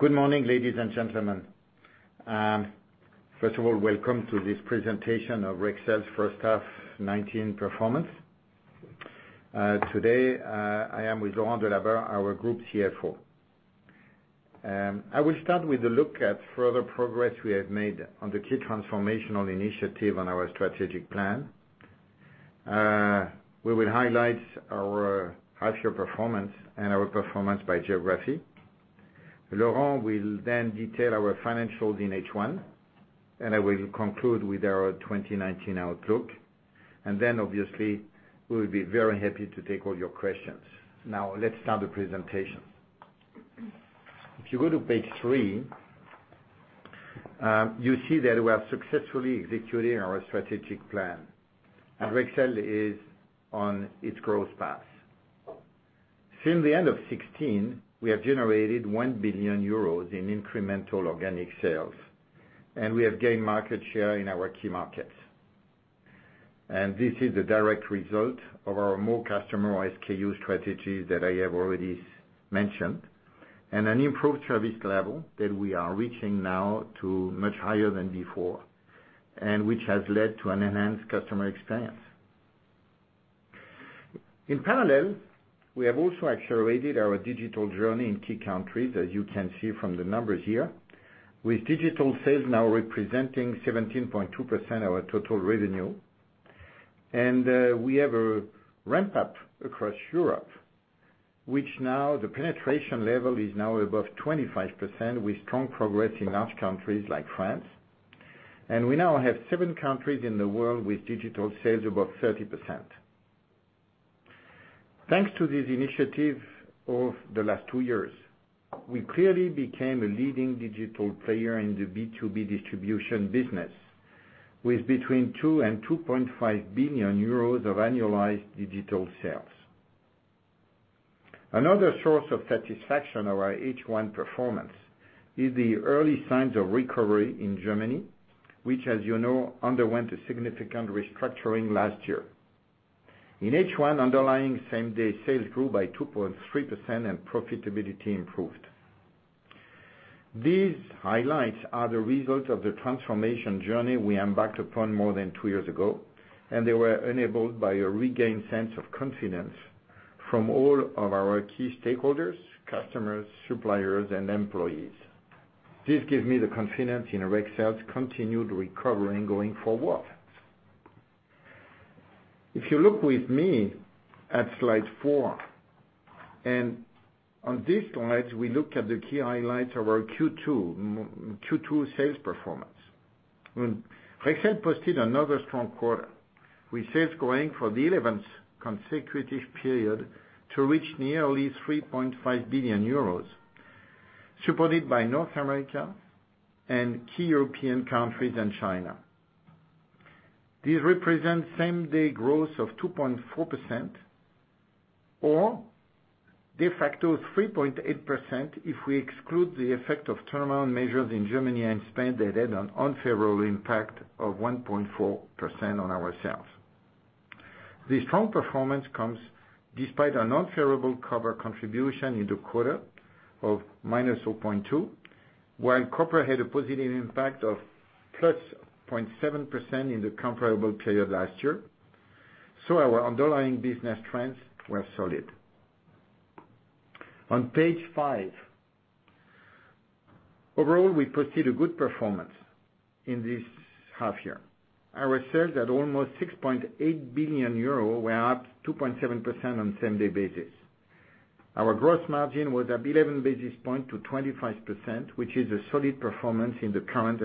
Good morning, ladies and gentlemen. First of all, welcome to this presentation of Rexel's first half 2019 performance. Today, I am with Laurent Delabarre, our group CFO. I will start with a look at further progress we have made on the key transformational initiative on our strategic plan. We will highlight our half year performance and our performance by geography. Laurent will then detail our financials in H1, and I will conclude with our 2019 outlook. Then obviously, we will be very happy to take all your questions. Now let's start the presentation. If you go to page three, you see that we have successfully executed our strategic plan, and Rexel is on its growth path. Since the end of 2016, we have generated 1 billion euros in incremental organic sales, and we have gained market share in our key markets. This is a direct result of our more customer SKU strategy that I have already mentioned, an improved service level that we are reaching now to much higher than before, and which has led to an enhanced customer experience. In parallel, we have also accelerated our digital journey in key countries, as you can see from the numbers here, with digital sales now representing 17.2% of our total revenue. We have a ramp-up across Europe, which now the penetration level is now above 25% with strong progress in large countries like France. We now have seven countries in the world with digital sales above 30%. Thanks to this initiative of the last two years, we clearly became a leading digital player in the B2B distribution business, with between 2 billion and 2.5 billion euros of annualized digital sales. Another source of satisfaction of our H1 performance is the early signs of recovery in Germany, which as you know underwent a significant restructuring last year. In H1, underlying same-day sales grew by 2.3% and profitability improved. These highlights are the result of the transformation journey we embarked upon more than two years ago, and they were enabled by a regained sense of confidence from all of our key stakeholders, customers, suppliers, and employees. This gives me the confidence in Rexel's continued recovery going forward. If you look with me at slide four, and on this slide, we look at the key highlights of our Q2 sales performance. Rexel posted another strong quarter, with sales growing for the 11th consecutive period to reach nearly 3.5 billion euros, supported by North America and key European countries and China. This represents same-day growth of 2.4% or de facto 3.8% if we exclude the effect of turnaround measures in Germany and Spain that had an unfavorable impact of 1.4% on our sales. This strong performance comes despite an unfavorable copper contribution in the quarter of -0.2%, while corporate had a positive impact of +2.7% in the comparable period last year. Our underlying business trends were solid. On page five, overall, we posted a good performance in this half year. Our sales at almost 6.8 billion euro were up 2.7% on same-day basis. Our gross margin was up 11 basis points to 25%, which is a solid performance in the current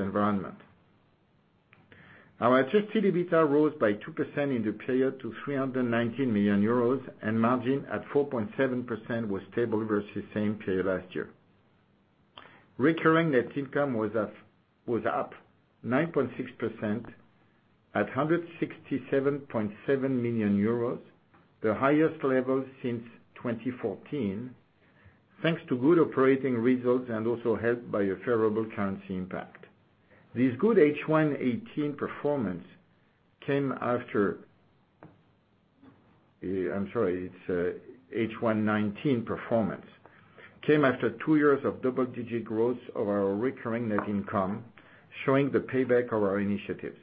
environment. Our adjusted EBITA rose by 2% in the period to 319 million euros, and margin at 4.7% was stable versus same period last year. Recurring net income was up 9.6% at 167.7 million euros, the highest level since 2014, thanks to good operating results and also helped by a favorable currency impact. This good H1 2018 performance came after I'm sorry, it's H1 2019 performance, came after two years of double-digit growth of our recurring net income, showing the payback of our initiatives.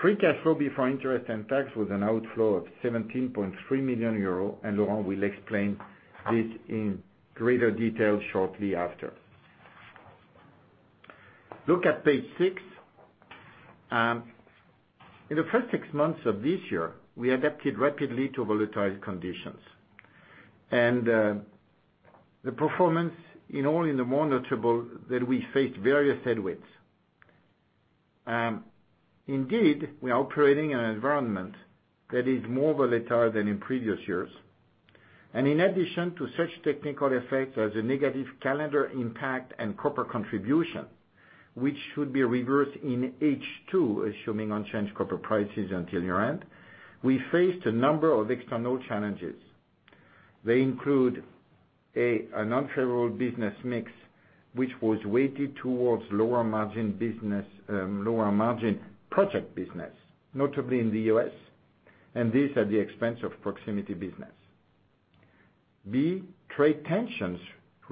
Free cash flow before interest and tax was an outflow of 17.3 million euro, Laurent will explain this in greater detail shortly after. Look at page six. In the first six months of this year, we adapted rapidly to volatile conditions. The performance in all the more notable that we faced various headwinds. Indeed, we are operating in an environment that is more volatile than in previous years. In addition to such technical effects as a negative calendar impact and copper contribution, which should be reversed in H2, assuming unchanged copper prices until year-end, we faced a number of external challenges. They include an unfavorable business mix, which was weighted towards lower margin project business, notably in the U.S. This at the expense of proximity business. B, trade tensions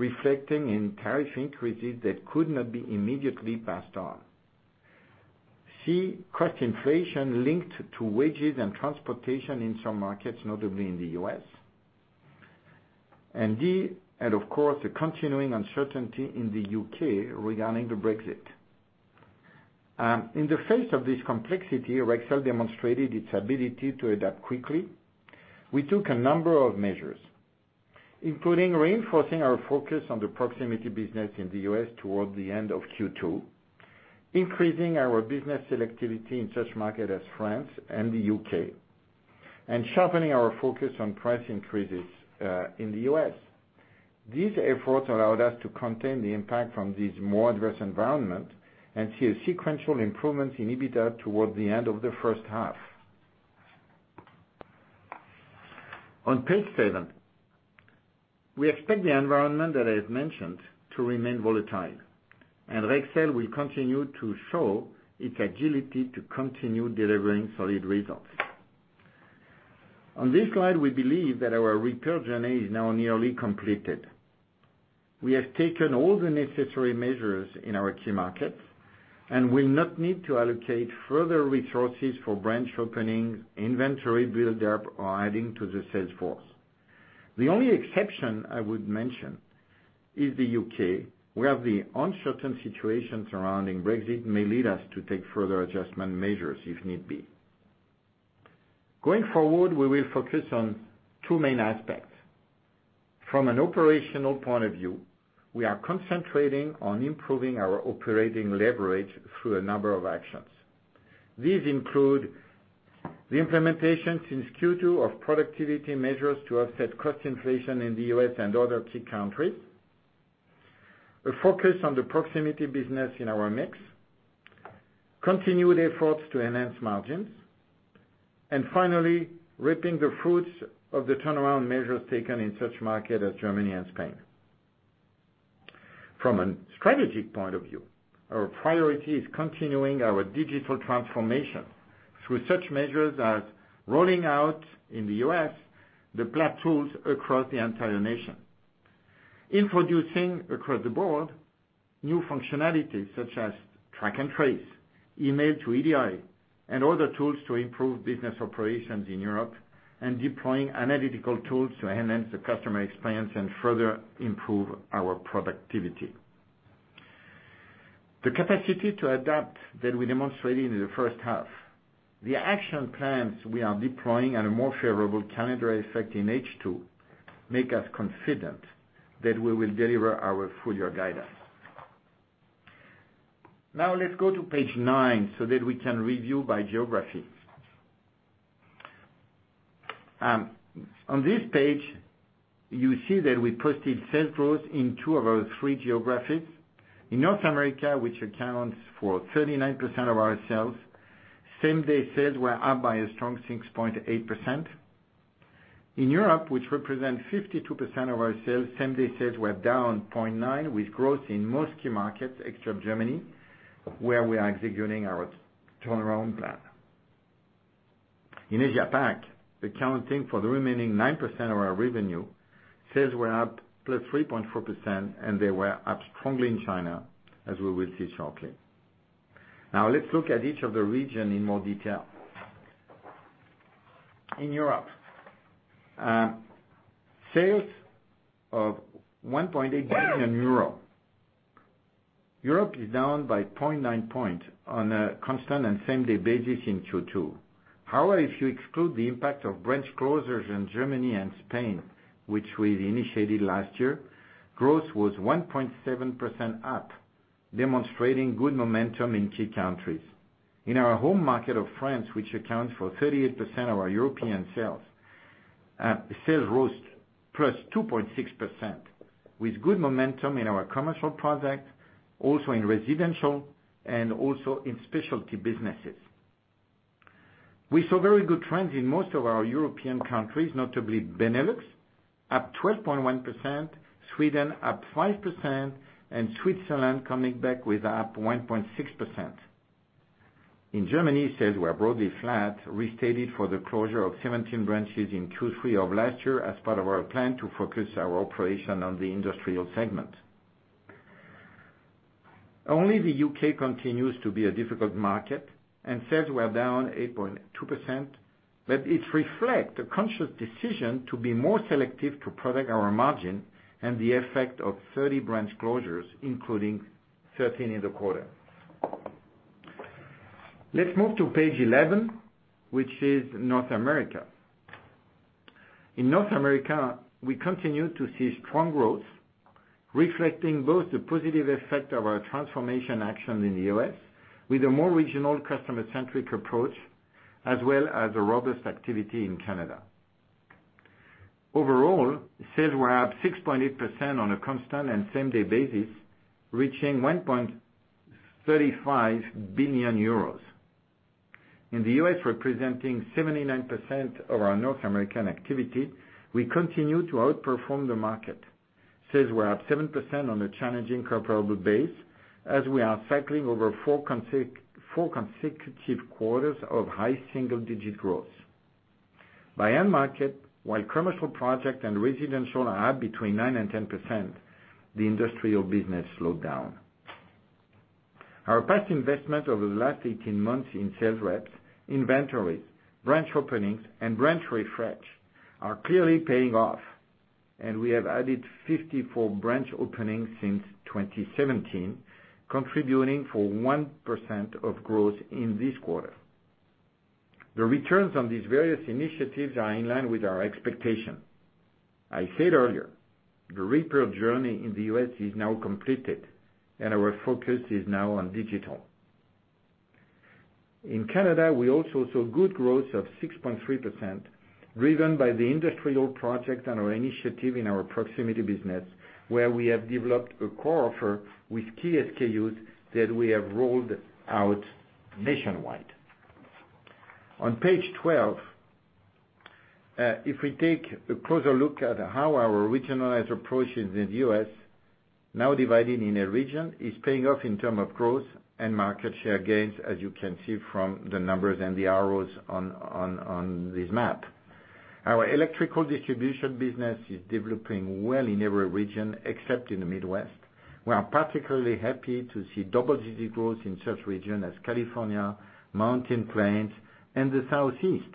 reflecting in tariff increases that could not be immediately passed on. C, cost inflation linked to wages and transportation in some markets, notably in the U.S. D, and of course, the continuing uncertainty in the U.K. regarding the Brexit. In the face of this complexity, Rexel demonstrated its ability to adapt quickly. We took a number of measures, including reinforcing our focus on the proximity business in the U.S. towards the end of Q2, increasing our business selectivity in such markets as France and the U.K., and sharpening our focus on price increases in the U.S. These efforts allowed us to contain the impact from this more adverse environment and see a sequential improvement in EBITDA towards the end of the first half. On page seven, we expect the environment that I have mentioned to remain volatile, and Rexel will continue to show its agility to continue delivering solid results. On this slide, we believe that our repair journey is now nearly completed. We have taken all the necessary measures in our key markets and will not need to allocate further resources for branch openings, inventory buildup, or adding to the sales force. The only exception I would mention is the U.K., where the uncertain situation surrounding Brexit may lead us to take further adjustment measures if need be. Going forward, we will focus on two main aspects. From an operational point of view, we are concentrating on improving our operating leverage through a number of actions. These include the implementation since Q2 of productivity measures to offset cost inflation in the U.S. and other key countries, a focus on the proximity business in our mix, continued efforts to enhance margins, and finally, reaping the fruits of the turnaround measures taken in such markets as Germany and Spain. From a strategic point of view, our priority is continuing our digital transformation through such measures as rolling out, in the U.S., the platform across the entire nation. Introducing, across the board, new functionalities such as track and trace, email to EDI, and other tools to improve business operations in Europe, and deploying analytical tools to enhance the customer experience and further improve our productivity. The capacity to adapt that we demonstrated in the first half, the action plans we are deploying, and a more favorable calendar effect in H2, make us confident that we will deliver our full-year guidance. Let's go to page nine so that we can review by geography. On this page, you see that we posted sales growth in two of our three geographies. In North America, which accounts for 39% of our sales, same-day sales were up by a strong 6.8%. In Europe, which represents 52% of our sales, same-day sales were down 0.9%, with growth in most key markets, except Germany, where we are executing our turnaround plan. In Asia Pac, accounting for the remaining 9% of our revenue, sales were up +3.4%, and they were up strongly in China, as we will see shortly. Let's look at each of the regions in more detail. In Europe, sales of 1.8 billion euro. Europe is down by 0.9% point on a constant and same-day basis in Q2. If you exclude the impact of branch closures in Germany and Spain, which we initiated last year, growth was 1.7% up, demonstrating good momentum in key countries. In our home market of France, which accounts for 38% of our European sales rose +2.6%, with good momentum in our commercial projects, also in residential, and also in specialty businesses. We saw very good trends in most of our European countries, notably Benelux, up 12.1%, Sweden up 5%, and Switzerland coming back with up 1.6%. In Germany, sales were broadly flat, restated for the closure of 17 branches in Q3 of last year as part of our plan to focus our operation on the industrial segment. Only the U.K. continues to be a difficult market, and sales were down 8.2%, but it reflects a conscious decision to be more selective to protect our margin and the effect of 30 branch closures, including 13 in the quarter. Let's move to page 11, which is North America. In North America, we continue to see strong growth, reflecting both the positive effect of our transformation action in the U.S. with a more regional customer-centric approach, as well as a robust activity in Canada. Overall, sales were up 6.8% on a constant and same-day basis, reaching 1.35 billion euros. In the U.S., representing 79% of our North American activity, we continue to outperform the market. Sales were up 7% on a challenging comparable base as we are cycling over four consecutive quarters of high single-digit growth. By end market, while commercial project and residential are up between 9% and 10%, the industrial business slowed down. Our past investment over the last 18 months in sales reps, inventories, branch openings, and branch refresh are clearly paying off, and we have added 54 branch openings since 2017, contributing for 1% of growth in this quarter. The returns on these various initiatives are in line with our expectation. I said earlier, the repair journey in the U.S. is now completed, and our focus is now on digital. In Canada, we also saw good growth of 6.3%, driven by the industrial project and our initiative in our proximity business, where we have developed a core offer with key SKUs that we have rolled out nationwide. On page 12, if we take a closer look at how our regionalized approach in the U.S., now divided into regions, is paying off in terms of growth and market share gains, as you can see from the numbers and the arrows on this map. Our electrical distribution business is developing well in every region except in the Midwest. We are particularly happy to see double-digit growth in such region as California, Mountain Plains, and the Southeast.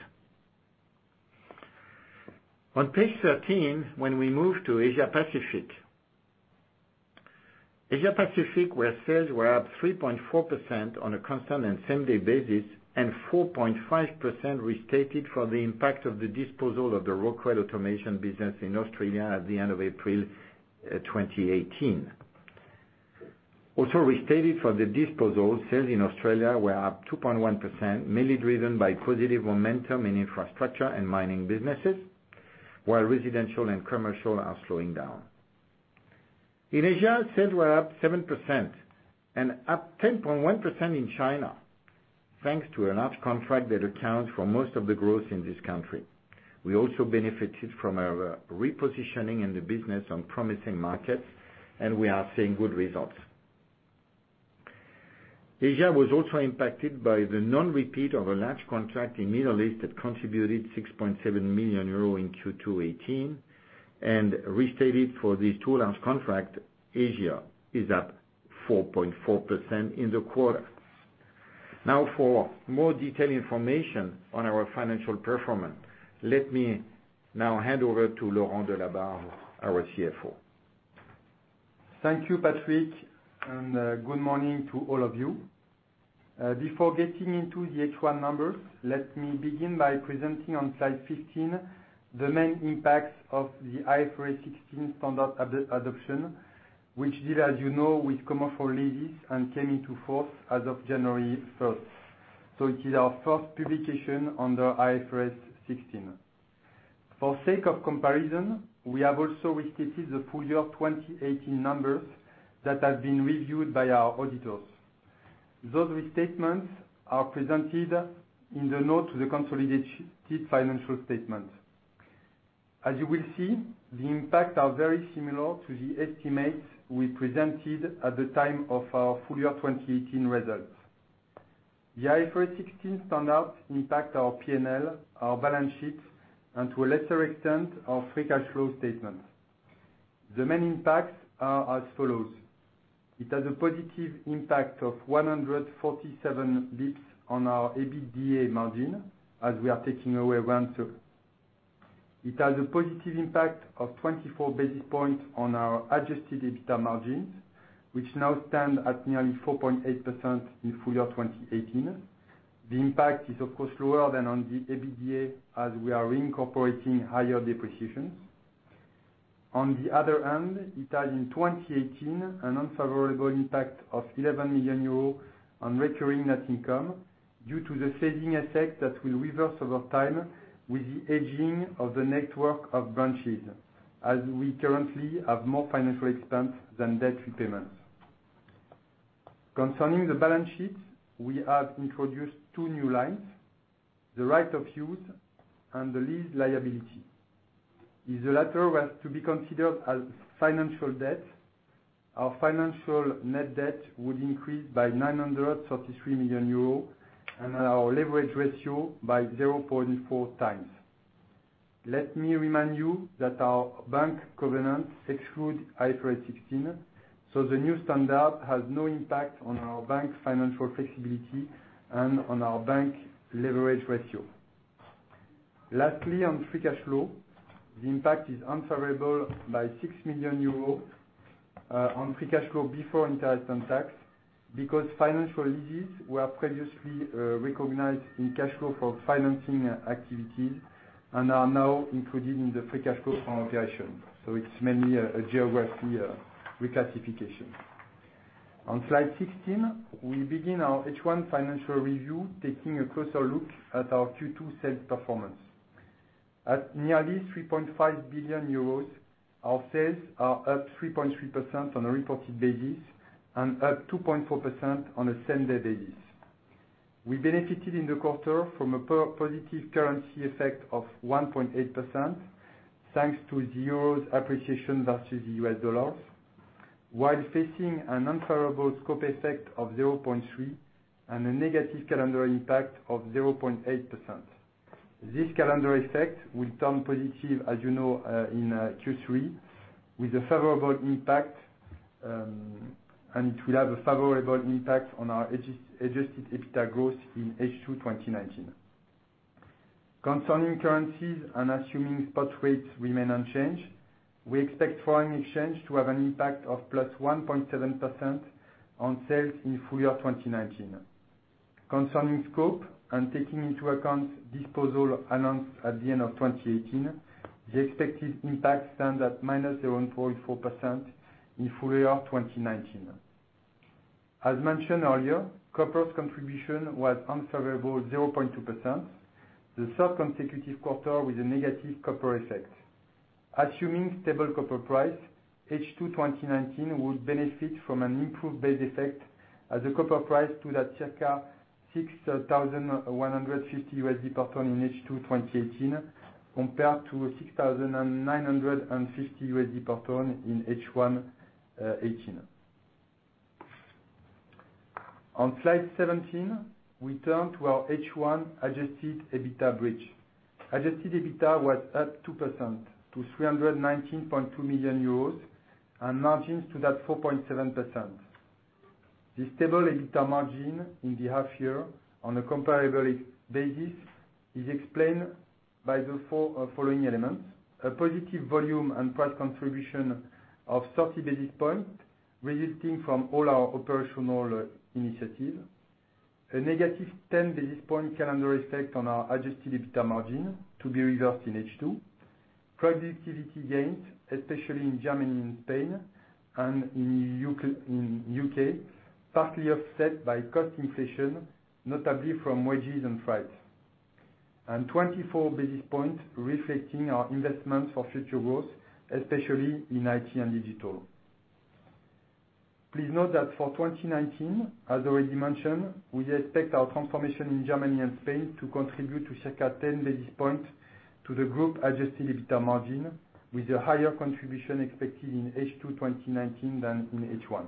On page 13, when we move to Asia Pacific. Asia Pacific, where sales were up 3.4% on a constant and same-day basis and 4.5% restated for the impact of the disposal of the Rockwell automation business in Australia at the end of April 2018. Also restated for the disposal, sales in Australia were up 2.1%, mainly driven by positive momentum in infrastructure and mining businesses, while residential and commercial are slowing down. In Asia, sales were up 7% and up 10.1% in China, thanks to a large contract that accounts for most of the growth in this country. We also benefited from our repositioning in the business on promising markets, and we are seeing good results. Asia was also impacted by the non-repeat of a large contract in Middle East that contributed 6.7 million euro in Q2 2018, and restated for these two large contracts, Asia is up 4.4% in the quarter. For more detailed information on our financial performance, let me now hand over to Laurent Delabarre, our CFO. Thank you, Patrick. Good morning to all of you. Before getting into the H1 numbers, let me begin by presenting on slide 15 the main impacts of the IFRS 16 standard adoption, which deal, as you know, with commercial leases and came into force as of January 1st. It is our first publication under IFRS 16. For sake of comparison, we have also restated the full year 2018 numbers that have been reviewed by our auditors. Those restatements are presented in the note to the consolidated financial statement. As you will see, the impact are very similar to the estimates we presented at the time of our full year 2018 results. The IFRS 16 standards impact our P&L, our balance sheet, and to a lesser extent, our free cash flow statement. The main impacts are as follows. It has a positive impact of 147 basis points on our EBITDA margin as we are taking away rent. It has a positive impact of 24 basis points on our adjusted EBITDA margins, which now stand at nearly 4.8% in full year 2018. The impact is, of course, lower than on the EBITDA as we are reincorporating higher depreciation. It has in 2018, an unfavorable impact of 11 million euros on recurring net income due to the phasing effect that will reverse over time with the aging of the network of branches, as we currently have more financial expense than debt repayments. Concerning the balance sheet, we have introduced two new lines, the right of use and the lease liability. If the latter was to be considered as financial debt, our financial net debt would increase by 933 million euros and our leverage ratio by 0.4x. Let me remind you that our bank covenants exclude IFRS 16, the new standard has no impact on our bank financial flexibility and on our bank leverage ratio. Lastly, on free cash flow, the impact is unfavorable by 6 million euros, on free cash flow before interest and tax, because financial leases were previously recognized in cash flow for financing activities and are now included in the free cash flow from operations. It's mainly a geography reclassification. On slide 16, we begin our H1 financial review taking a closer look at our Q2 sales performance. At nearly 3.5 billion euros, our sales are up 3.3% on a reported basis and up 2.4% on a same-day basis. We benefited in the quarter from a positive currency effect of 1.8%, thanks to the euro's appreciation versus the US dollars, while facing an unfavorable scope effect of 0.3%, and a negative calendar impact of 0.8%. This calendar effect will turn positive, as you know, in Q3 with a favorable impact, and it will have a favorable impact on our adjusted EBITDA growth in H2 2019. Concerning currencies and assuming spot rates remain unchanged, we expect foreign exchange to have an impact of +1.7% on sales in full year 2019. Concerning scope and taking into account disposal announced at the end of 2018, the expected impact stands at -0.4% in full year 2019. As mentioned earlier, copper's contribution was unfavorable 0.2%, the third consecutive quarter with a negative copper effect. Assuming stable copper price, H2 2019 would benefit from an improved base effect as the copper price stood at circa $6,150 per ton in H2 2018, compared to $6,950 per ton in H1 2018. On slide 17, we turn to our H1 adjusted EBITDA bridge. Adjusted EBITDA was up 2% to 319.2 million euros, and margins stood at 4.7%. The stable EBITDA margin in the half year on a comparable basis is explained by the following elements: A positive volume and price contribution of 30 basis points resulting from all our operational initiatives. A -10 basis point calendar effect on our adjusted EBITDA margin to be reversed in H2. Productivity gains, especially in Germany and Spain, and in U.K., partly offset by cost inflation, notably from wages and price. 24 basis points reflecting our investment for future growth, especially in IT and digital. Please note that for 2019, as already mentioned, we expect our transformation in Germany and Spain to contribute to circa 10 basis points to the group adjusted EBITDA margin, with a higher contribution expected in H2 2019 than in H1.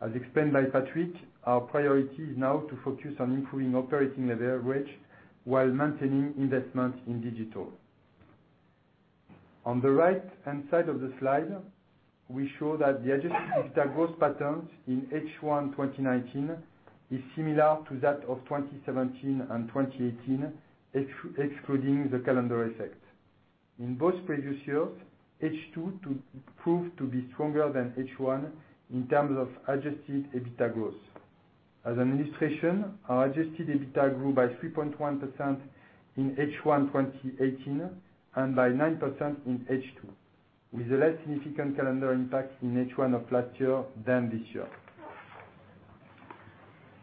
As explained by Patrick, our priority is now to focus on improving operating leverage, while maintaining investment in digital. On the right-hand side of the slide, we show that the adjusted EBITDA growth pattern in H1 2019 is similar to that of 2017 and 2018, excluding the calendar effect. In both previous years, H2 proved to be stronger than H1 in terms of adjusted EBITDA growth. As an illustration, our adjusted EBITDA grew by 3.1% in H1 2018, and by 9% in H2, with a less significant calendar impact in H1 of last year than this year.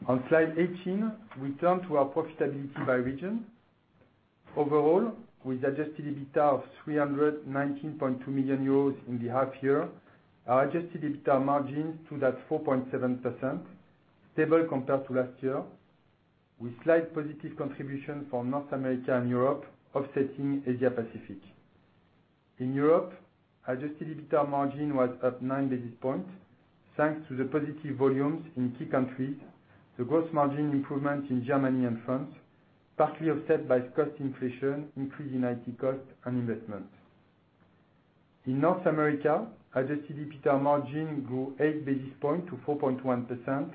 On slide 18, we turn to our profitability by region. Overall, with adjusted EBITDA of 319.2 million euros in the half year, our adjusted EBITDA margin stood at 4.7%, stable compared to last year, with slight positive contribution from North America and Europe offsetting Asia Pacific. In Europe, adjusted EBITDA margin was up nine basis points, thanks to the positive volumes in key countries, the gross margin improvement in Germany and France, partly offset by cost inflation, increase in IT cost and investment. In North America, adjusted EBITDA margin grew eight basis point to 4.1%,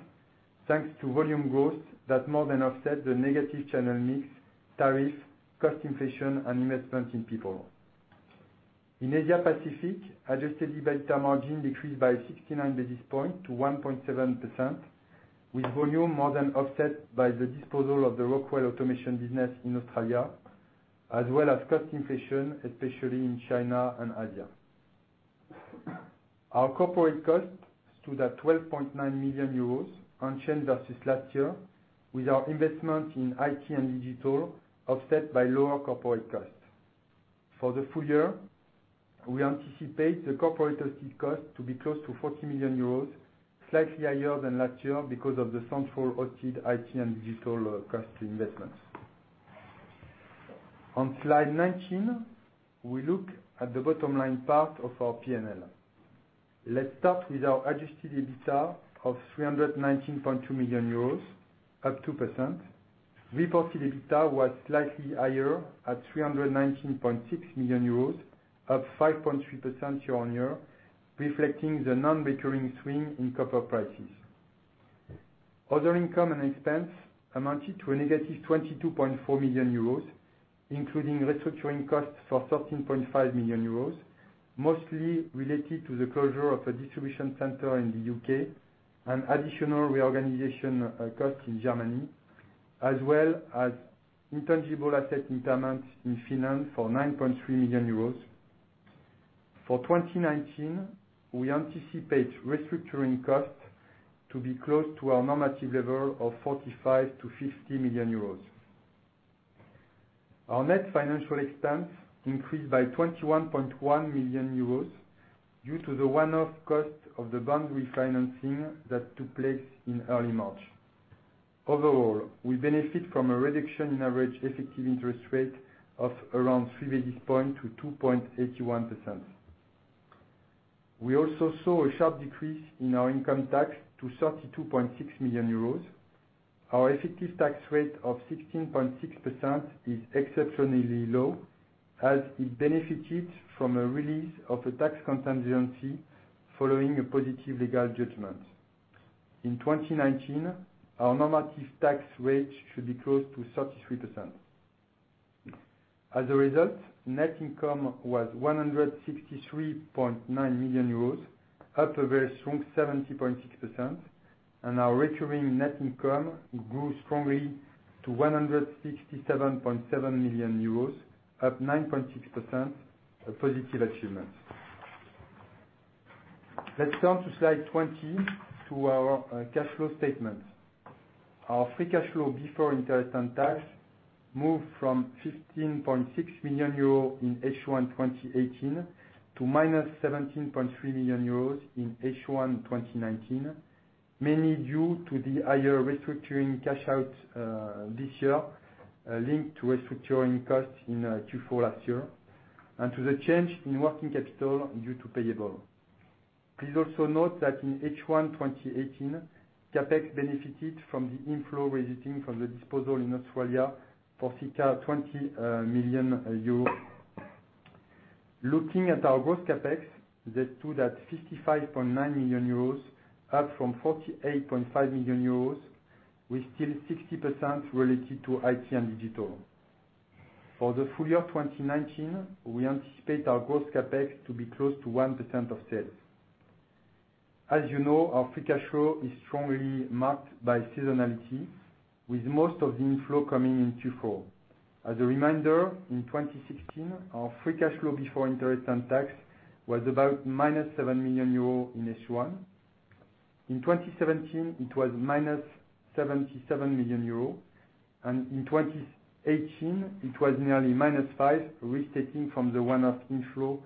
thanks to volume growth that more than offset the negative channel mix, tariff, cost inflation and investment in people. In Asia Pacific, adjusted EBITDA margin decreased by 69 basis point to 1.7%, with volume more than offset by the disposal of the Rockwell automation business in Australia, as well as cost inflation, especially in China and Asia. Our corporate costs stood at 12.9 million euros, unchanged versus last year, with our investment in IT and digital offset by lower corporate costs. For the full year, we anticipate the corporate hosted cost to be close to 40 million euros, slightly higher than last year because of the central hosted IT and digital cost investments. On slide 19, we look at the bottom line part of our P&L. Let's start with our adjusted EBITDA of 319.2 million euros, up 2%. Reported EBITDA was slightly higher at 319.6 million euros, up 5.3% year-on-year, reflecting the non-recurring swing in copper prices. Other income and expense amounted to a -22.4 million euros, including restructuring costs for 13.5 million euros, mostly related to the closure of a distribution center in the U.K. and additional reorganization costs in Germany, as well as intangible asset impairment in Finland for 9.3 million euros. For 2019, we anticipate restructuring costs to be close to our normative level of 45 million-50 million euros. Our net financial expense increased by 21.1 million euros due to the one-off cost of the bond refinancing that took place in early March. We benefit from a reduction in average effective interest rate of around three basis points to 2.81%. We also saw a sharp decrease in our income tax to 32.6 million euros. Our effective tax rate of 16.6% is exceptionally low as it benefited from a release of a tax contingency following a positive legal judgment. In 2019, our normative tax rate should be close to 33%. Net income was 163.9 million euros, up a very strong 70.6%, and our recurring net income grew strongly to 167.7 million euros, up 9.6%, a positive achievement. Let's turn to slide 20 to our cash flow statement. Our free cash flow before interest and tax moved from 15.6 million euros in H1 2018 to -17.3 million euros in H1 2019, mainly due to the higher restructuring cash out this year, linked to restructuring costs in Q4 last year, and to the change in working capital due to payable. Please also note that in H1 2018, CapEx benefited from the inflow resulting from the disposal in Australia for circa 20 million euros. Looking at our gross CapEx, that stood at 55.9 million euros, up from 48.5 million euros, with still 60% related to IT and digital. For the full year 2019, we anticipate our gross CapEx to be close to 1% of sales. As you know, our free cash flow is strongly marked by seasonality, with most of the inflow coming in Q4. As a reminder, in 2016, our free cash flow before interest and tax was about -7 million euro in H1. In 2017, it was -77 million euro, and in 2018, it was nearly -5, restating from the one-off inflow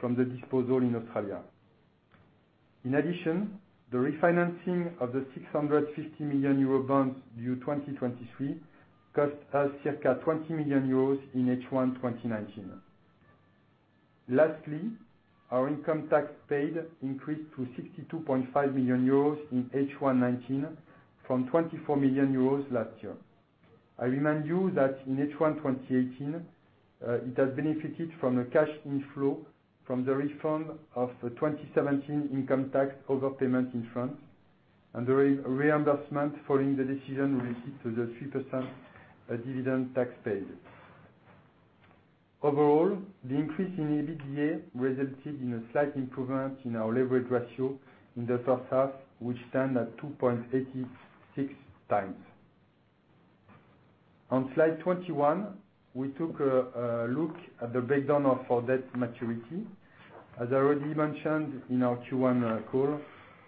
from the disposal in Australia. In addition, the refinancing of the 650 million euro bonds due 2023 cost us circa 20 million euros in H1 2019. Lastly, our income tax paid increased to 62.5 million euros in H1 2019 from 24 million euros last year. I remind you that in H1 2018, it has benefited from a cash inflow from the refund of the 2017 income tax overpayment in France and the reimbursement following the decision related to the 3% dividend tax paid. Overall, the increase in EBITDA resulted in a slight improvement in our leverage ratio in the first half, which stand at 2.86x. On slide 21, we took a look at the breakdown of our debt maturity. As I already mentioned in our Q1 call,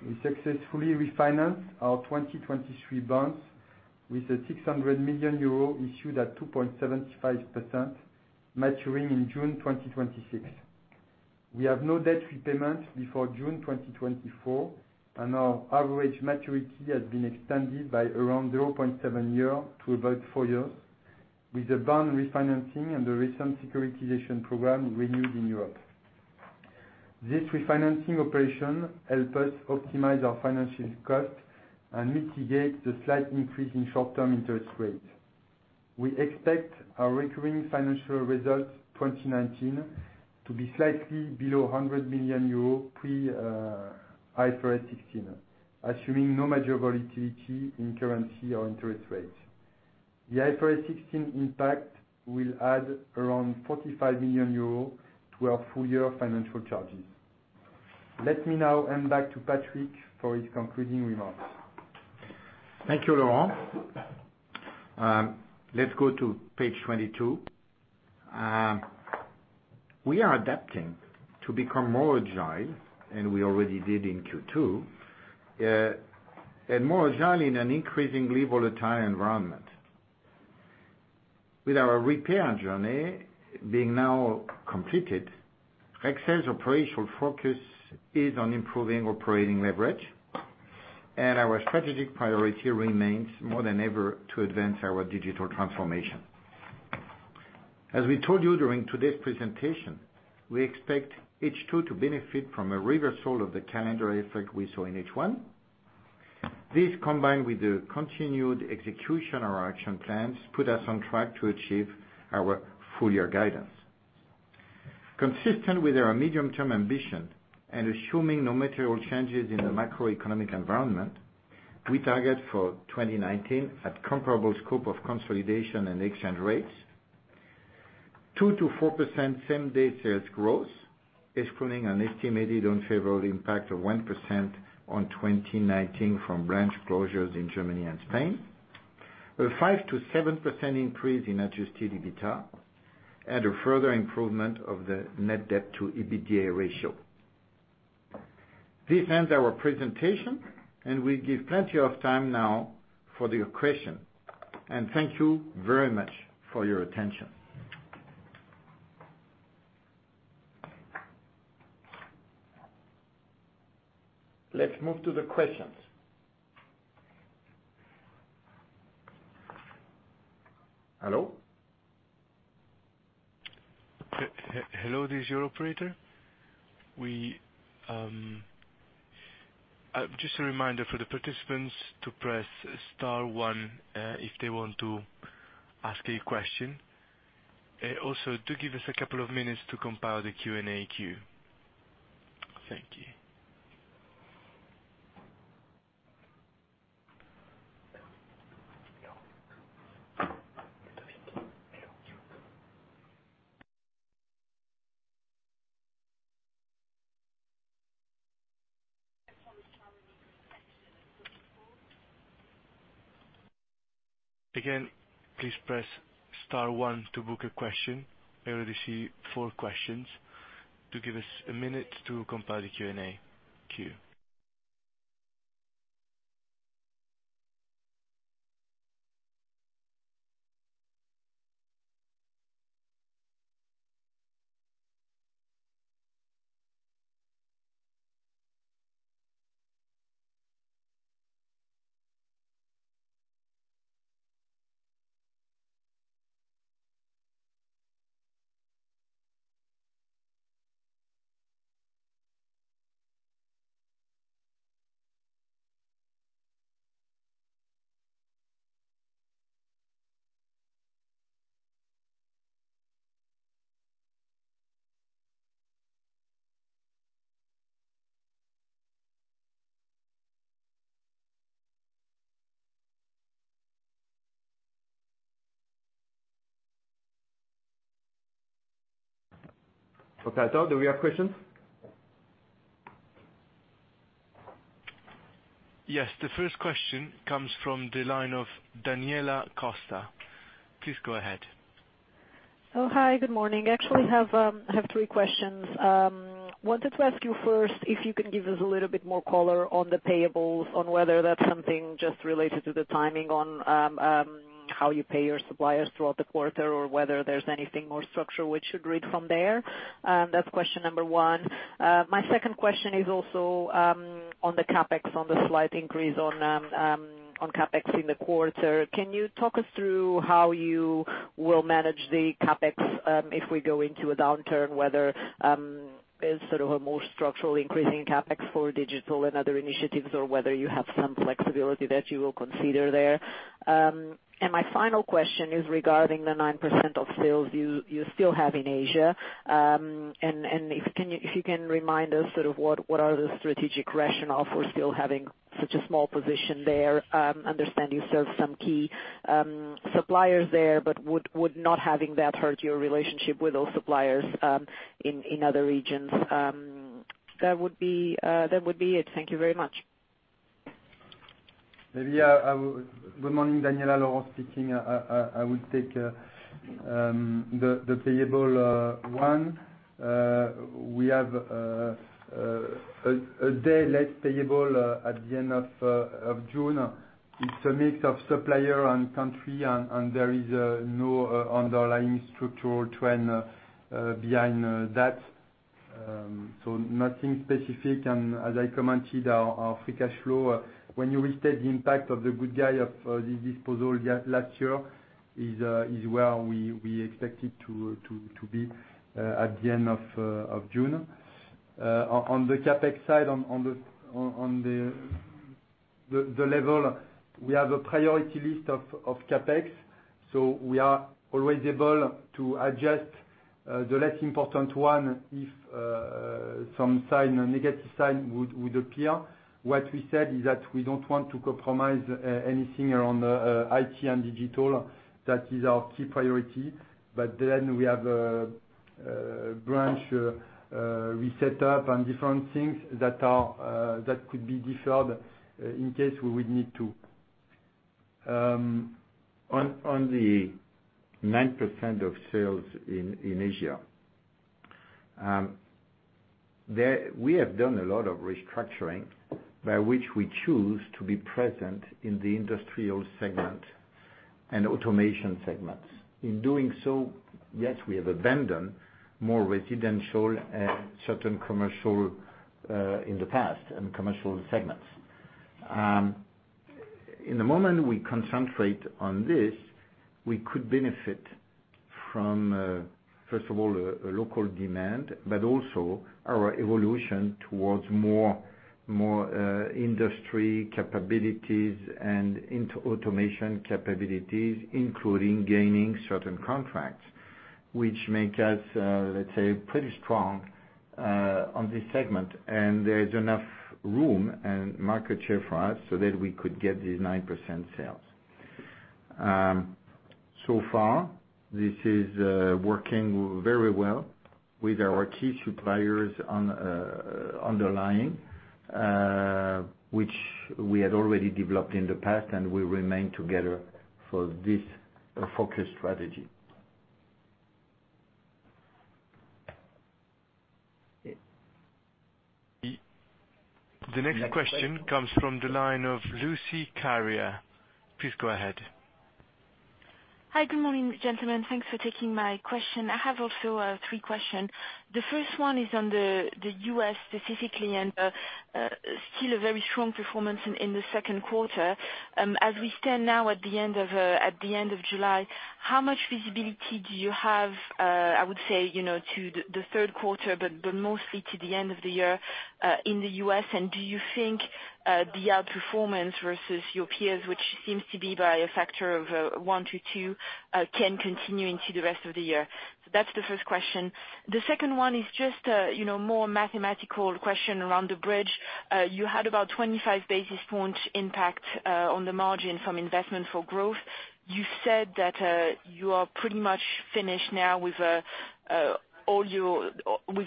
we successfully refinanced our 2023 bonds with a 600 million euro issued at 2.75%, maturing in June 2026. Our average maturity has been extended by around 0.7 year to about four years, with the bond refinancing and the recent securitization program renewed in Europe. This refinancing operation help us optimize our financial cost and mitigate the slight increase in short-term interest rates. We expect our recurring financial results 2019 to be slightly below 100 million euro pre IFRS 16, assuming no major volatility in currency or interest rates. The IFRS 16 impact will add around 45 million euros to our full-year financial charges. Let me now hand back to Patrick for his concluding remarks. Thank you, Laurent. Let's go to page 22. We are adapting to become more agile, and we already did in Q2. More agile in an increasingly volatile environment. With our Repair Journey being now completed, Rexel's operational focus is on improving operating leverage, and our strategic priority remains more than ever to advance our digital transformation. As we told you during today's presentation, we expect H2 to benefit from a reversal of the calendar effect we saw in H1. This, combined with the continued execution of our action plans, put us on track to achieve our full-year guidance. Consistent with our medium-term ambition and assuming no material changes in the macroeconomic environment, we target for 2019 at comparable scope of consolidation and exchange rates 2%-4% same-day sales growth, excluding an estimated unfavorable impact of 1% on 2019 from branch closures in Germany and Spain. A 5%-7% increase in adjusted EBITDA and a further improvement of the net debt to EBITDA ratio. This ends our presentation, we give plenty of time now for your question. Thank you very much for your attention. Let's move to the questions. Hello? Hello, this is your operator. Just a reminder for the participants to press star one if they want to ask a question. Also, do give us a couple of minutes to compile the Q&A queue. Thank you. Again, please press star one to book a question. I already see four questions. Do give us a minute to compile the Q&A queue. Otto, do we have questions? Yes. The first question comes from the line of Daniela Costa. Please go ahead. Hi. Good morning. I actually have three questions. I wanted to ask you first if you can give us a little bit more color on the payables, on whether that's something just related to the timing on how you pay your suppliers throughout the quarter or whether there's anything more structural we should read from there. That's question number one. My second question is also on the CapEx, on the slight increase on CapEx in the quarter. Can you talk us through how you will manage the CapEx if we go into a downturn, whether it's sort of a more structural increase in CapEx for digital and other initiatives, or whether you have some flexibility that you will consider there? My final question is regarding the 9% of sales you still have in Asia. If you can remind us, sort of what are the strategic rationale for still having such a small position there? Understanding you serve some key suppliers there, but would not having that hurt your relationship with those suppliers in other regions? That would be it. Thank you very much. Good morning, Daniela. Laurent speaking. I would take the payable one. We have a day less payable at the end of June. It's a mix of supplier and country, and there is no underlying structural trend behind that. Nothing specific. As I commented, our free cash flow, when you restate the impact of The Good Guys of the disposal last year, is where we expected to be at the end of June. On the CapEx side, on the level, we have a priority list of CapEx, so we are always able to adjust the less important one if some negative sign would appear. What we said is that we don't want to compromise anything around IT and digital. That is our key priority. We have a branch we set up and different things that could be deferred in case we would need to. On the 9% of sales in Asia. We have done a lot of restructuring by which we choose to be present in the industrial segment and automation segments. In doing so, yes, we have abandoned more residential and certain commercial in the past, and commercial segments. In the moment we concentrate on this, we could benefit from, first of all, a local demand, but also our evolution towards more industry capabilities and into automation capabilities, including gaining certain contracts which make us, let's say, pretty strong on this segment. There is enough room and market share for us so that we could get these 9% sales. Far, this is working very well with our key suppliers underlying which we had already developed in the past, and we remain together for this focused strategy. The next question comes from the line of Lucie Carrier. Please go ahead. Hi. Good morning, gentlemen. Thanks for taking my question. I have also three question. The first one is on the U.S. specifically, still a very strong performance in the second quarter. As we stand now at the end of July, how much visibility do you have, I would say, to the third quarter, but mostly to the end of the year, in the U.S.? Do you think the outperformance versus your peers, which seems to be by a factor of one to two, can continue into the rest of the year? That's the first question. The second one is just a more mathematical question around the bridge. You had about 25 basis point impact on the margin from investment for growth. You said that you are pretty much finished now with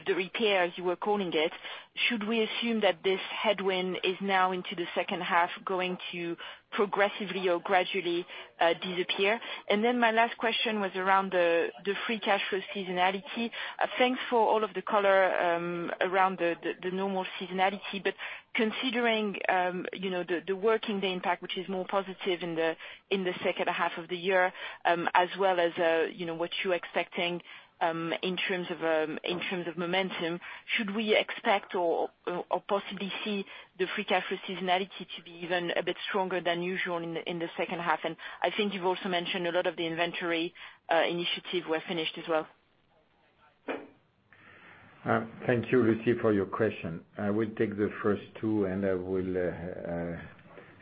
the repair, as you were calling it. Should we assume that this headwind is now into the second half, going to progressively or gradually disappear? My last question was around the free cash flow seasonality. Thanks for all of the color around the normal seasonality, considering the working day impact, which is more positive in the second half of the year, as well as what you're expecting in terms of momentum. Should we expect or possibly see the free cash flow seasonality to be even a bit stronger than usual in the second half? I think you've also mentioned a lot of the inventory initiatives were finished as well. Thank you, Lucie, for your question. I will take the first two, and I will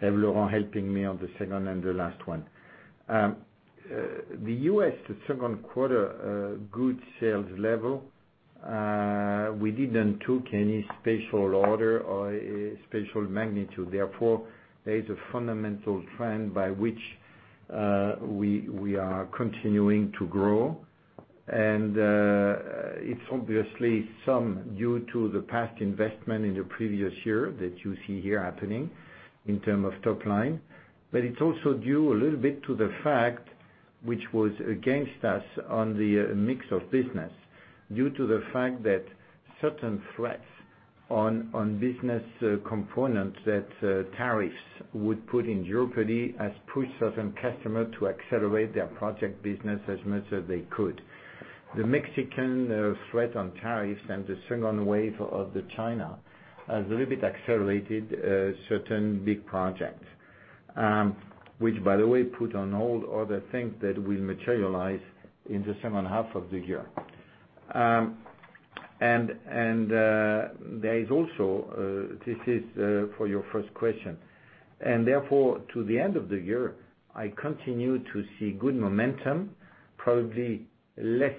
have Laurent helping me on the second and the last one. The U.S., the second quarter good sales level, we didn't took any special order or special magnitude. There is a fundamental trend by which we are continuing to grow. It's obviously some due to the past investment in the previous year that you see here happening in term of top line. It's also due a little bit to the fact, which was against us on the mix of business, due to the fact that certain threats on business components that tariffs would put in jeopardy has pushed certain customer to accelerate their project business as much as they could. The Mexican threat on tariffs and the second wave of the China has a little bit accelerated certain big project. By the way, put on hold other things that will materialize in the second half of the year. This is for your first question. Therefore, to the end of the year, I continue to see good momentum, probably less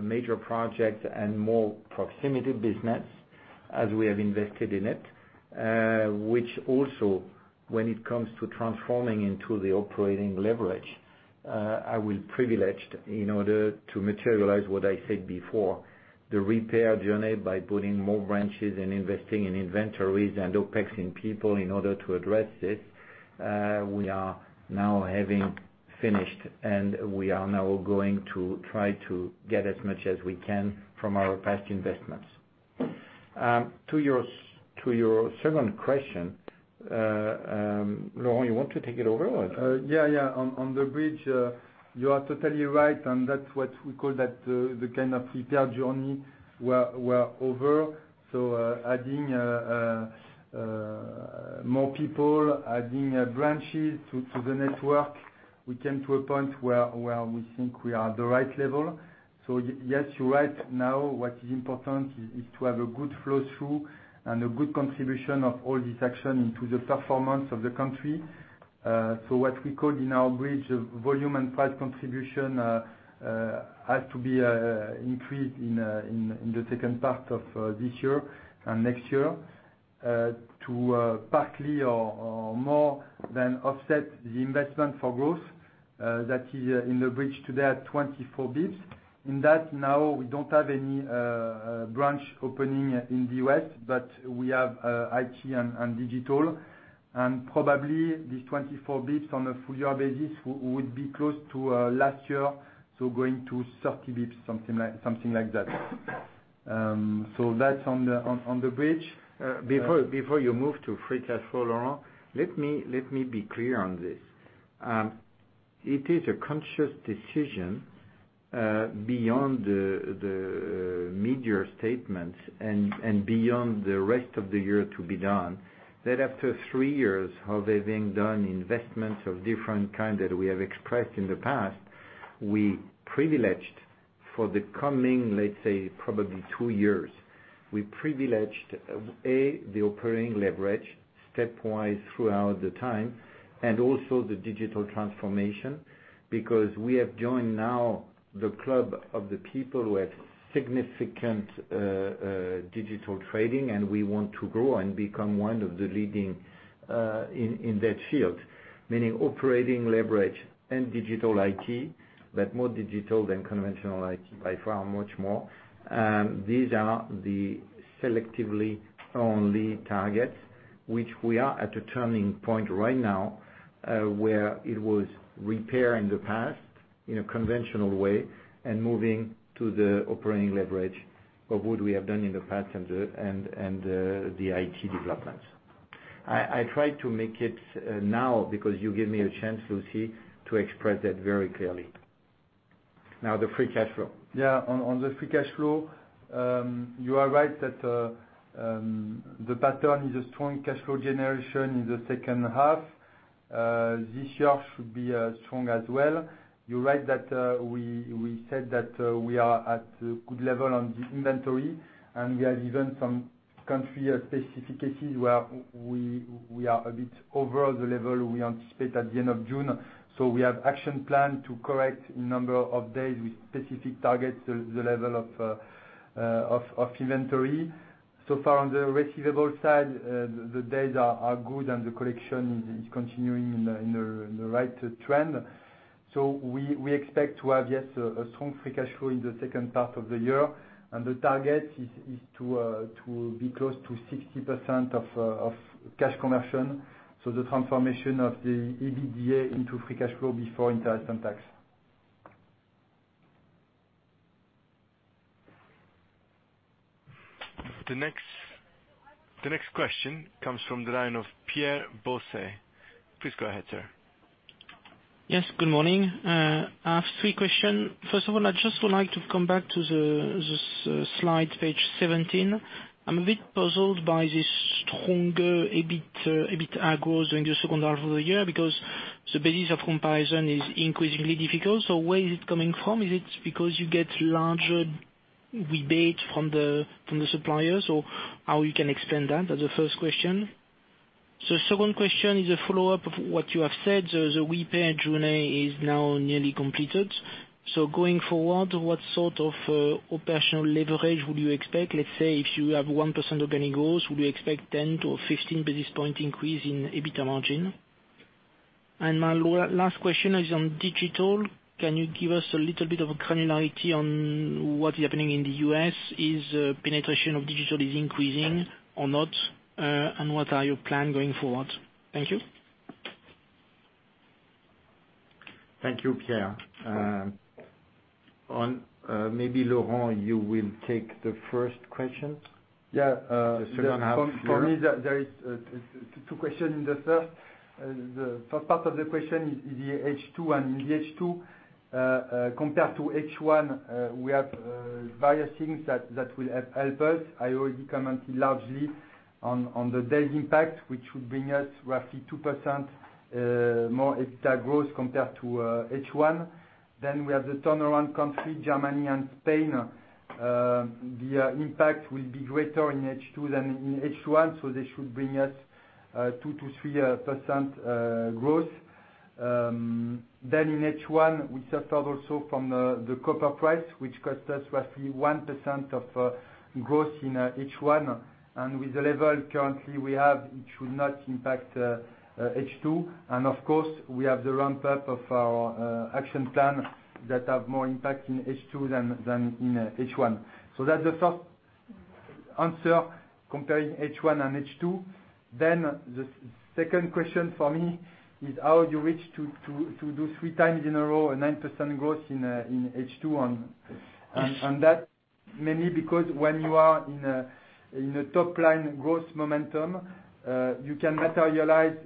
major projects and more proximity business as we have invested in it. Also, when it comes to transforming into the operating leverage, I will privileged in order to materialize what I said before, the repair journey by putting more branches and investing in inventories and OpEx in people in order to address this. We are now having finished, and we are now going to try to get as much as we can from our past investments. To your second question, Laurent, you want to take it over? Yeah. On the bridge, you are totally right, and that's what we call that the kind of repair journey were over. Adding more people, adding branches to the network, we came to a point where we think we are at the right level. Yes, you're right. Now what is important is to have a good flow-through and a good contribution of all this action into the performance of the country. What we call in our bridge, volume and price contribution, has to be increased in the second part of this year and next year, to partly or more than offset the investment for growth, that is in the bridge today at 24 bps. In that now we don't have any branch opening in the U.S., but we have IT and digital. Probably this 24 bps on a full year basis would be close to last year, going to 30 bps, something like that. That's on the bridge. Before you move to free cash flow, Laurent, let me be clear on this. It is a conscious decision beyond the mid-year statements and beyond the rest of the year to be done. That after three years of having done investments of different kind that we have expressed in the past, we privileged for the coming, let's say, probably two years. We privileged, A, the operating leverage stepwise throughout the time, and also the digital transformation. Because we have joined now the club of the people who have significant digital trading, and we want to grow and become one of the leading in that field. Meaning operating leverage and digital IT, but more digital than conventional IT, by far, much more. These are the selectively only targets, which we are at a turning point right now, where it was repair in the past, in a conventional way, and moving to the operating leverage of what we have done in the past and the IT developments. I tried to make it now because you give me a chance, Lucie, to express that very clearly. Now, the free cash flow. Yeah. On the free cash flow, you are right that the pattern is a strong cash flow generation in the second half. This year should be strong as well. You're right that we said that we are at a good level on the inventory, and we have even some country-specific cases where we are a bit over the level we anticipate at the end of June. We have action plan to correct number of days with specific targets, the level of inventory. So far, on the receivable side, the days are good and the collection is continuing in the right trend. We expect to have, yes, a strong free cash flow in the second part of the year. The target is to be close to 60% of cash conversion. The transformation of the EBITDA into free cash flow before interest and tax. The next question comes from the line of Pierre Bosset. Please go ahead, sir. Yes, good morning. I have three question. I just would like to come back to the slide page 17. I'm a bit puzzled by this stronger EBIT, EBITDA growth during the second half of the year because the basis of comparison is increasingly difficult. Where is it coming from? Is it because you get larger rebate from the suppliers, or how you can explain that? That's the first question. Second question is a follow-up of what you have said. The repair journey is now nearly completed. Going forward, what sort of operational leverage would you expect? Let's say if you have 1% operating growth, would you expect 10 to 15 basis point increase in EBITDA margin? My last question is on digital. Can you give us a little bit of a granularity on what is happening in the U.S.? Is penetration of digital is increasing or not? What are your plan going forward? Thank you. Thank you, Pierre. Maybe Laurent, you will take the first question. Yeah. The second half year. For me, there is two question. The first part of the question is the H2. In the H2, compared to H1, we have various things that will help us. I already commented largely on the days impact, which would bring us roughly 2% more EBITDA growth compared to H1. We have the turnaround country, Germany and Spain. The impact will be greater in H2 than in H1, this should bring us 2%-3% growth. In H1, we suffered also from the copper price, which cost us roughly 1% of growth in H1. With the level currently we have, it should not impact H2. Of course, we have the ramp-up of our action plan that have more impact in H2 than in H1. That's the first answer comparing H1 and H2. The second question for me is how you reach to do three times in a row a 9% growth in H2. That mainly because when you are in a top line growth momentum, you can materialize,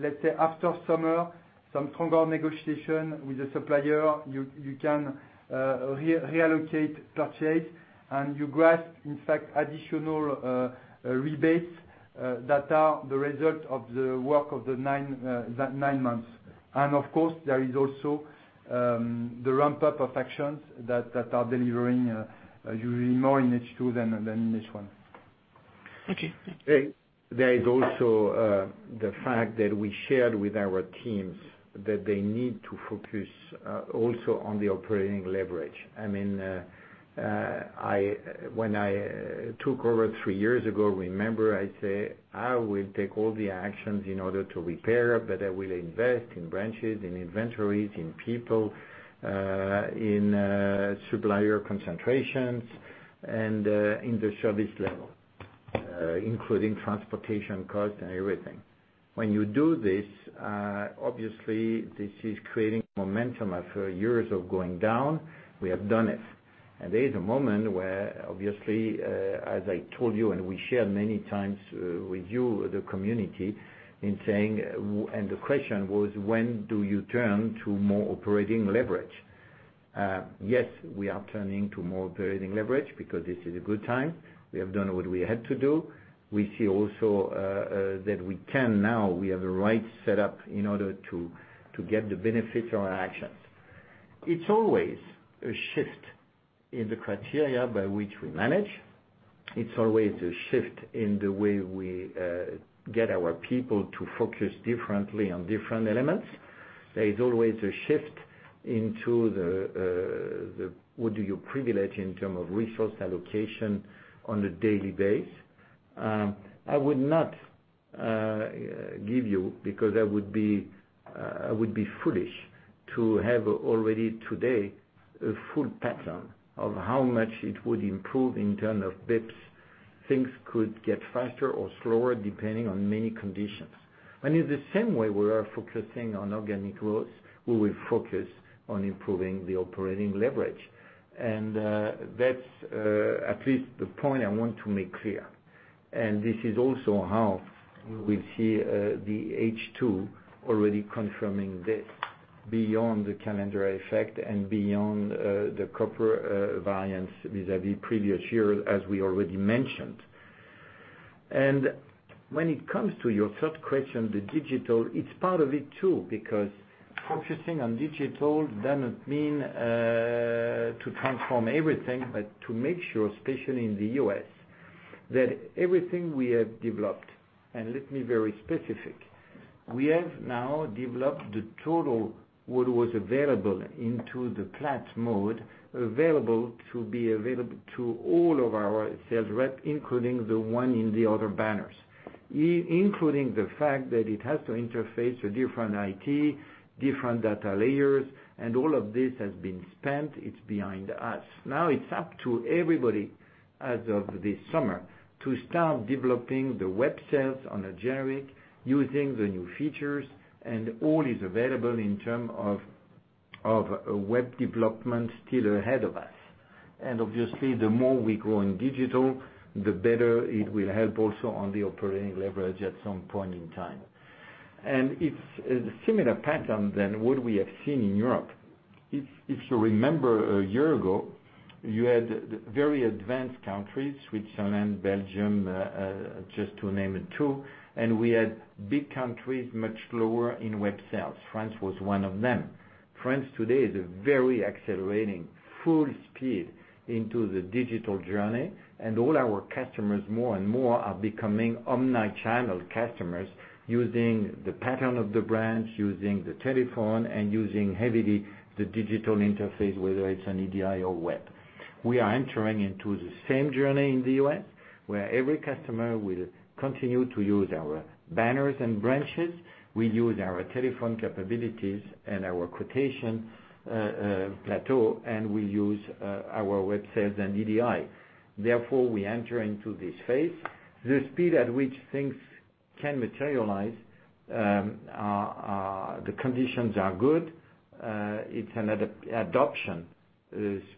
let's say, after summer, some stronger negotiation with the supplier. You can reallocate purchase, and you grasp, in fact, additional rebates, that are the result of the work of the nine months. Of course, there is also the ramp-up of actions that are delivering usually more in H2 than in H1. Thank you. There is also the fact that we shared with our teams that they need to focus, also on the operating leverage. When I took over three years ago, remember I say, "I will take all the actions in order to repair, but I will invest in branches, in inventories, in people, in supplier concentrations, and in the service level, including transportation cost and everything." When you do this, obviously this is creating momentum. After years of going down, we have done it. There is a moment where obviously, as I told you and we shared many times with you, the community, and the question was, when do you turn to more operating leverage? Yes, we are turning to more operating leverage because this is a good time. We have done what we had to do. We see also that we can now, we have the right setup in order to get the benefit of our actions. It's always a shift in the criteria by which we manage. It's always a shift in the way we get our people to focus differently on different elements. There is always a shift into what do you privilege in term of resource allocation on a daily base. I would not give you, because I would be foolish to have already today a full pattern of how much it would improve in term of basis points. Things could get faster or slower depending on many conditions. In the same way we are focusing on organic growth, we will focus on improving the operating leverage. That's at least the point I want to make clear. This is also how we will see the H2 already confirming this beyond the calendar effect and beyond the copper variance vis-à-vis previous year, as we already mentioned. When it comes to your third question, the digital, it's part of it too, because focusing on digital does not mean to transform everything, but to make sure, especially in the U.S., that everything we have developed, and let me be very specific. We have now developed the total, what was available into the platform mode, available to be available to all of our sales reps, including the one in the other banners. Including the fact that it has to interface a different IT, different data layers, and all of this has been spent. It's behind us. Now it's up to everybody as of this summer to start developing the web sales on a generic, using the new features and all is available in terms of web development still ahead of us. Obviously, the more we grow in digital, the better it will help also on the operating leverage at some point in time. It's a similar pattern than what we have seen in Europe. If you remember a year ago, you had very advanced countries, Switzerland, Belgium, just to name two, and we had big countries, much lower in web sales. France was one of them. France today is very accelerating full speed into the digital journey, and all our customers more and more are becoming omni-channel customers using the pattern of the brands, using the telephone, and using heavily the digital interface, whether it's an EDI or web. We are entering into the same journey in the U.S. where every customer will continue to use our banners and branches. We use our telephone capabilities and our quotation plateau, and we use our web sales and EDI. Therefore, we enter into this phase. The speed at which things can materialize, the conditions are good. It's an adoption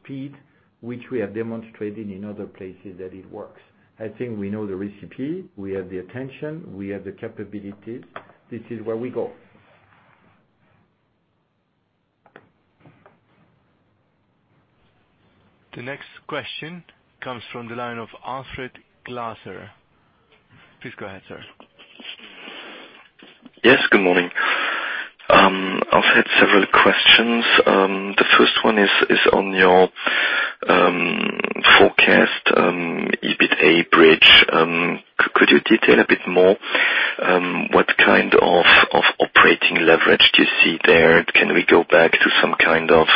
speed, which we have demonstrated in other places that it works. I think we know the recipe. We have the attention. We have the capabilities. This is where we go. The next question comes from the line of Alfred Glaser. Please go ahead, sir. Yes, good morning. I've had several questions. The first one is on your forecast, EBITA bridge. Could you detail a bit more, what kind of operating leverage do you see there? Can we go back to some kind of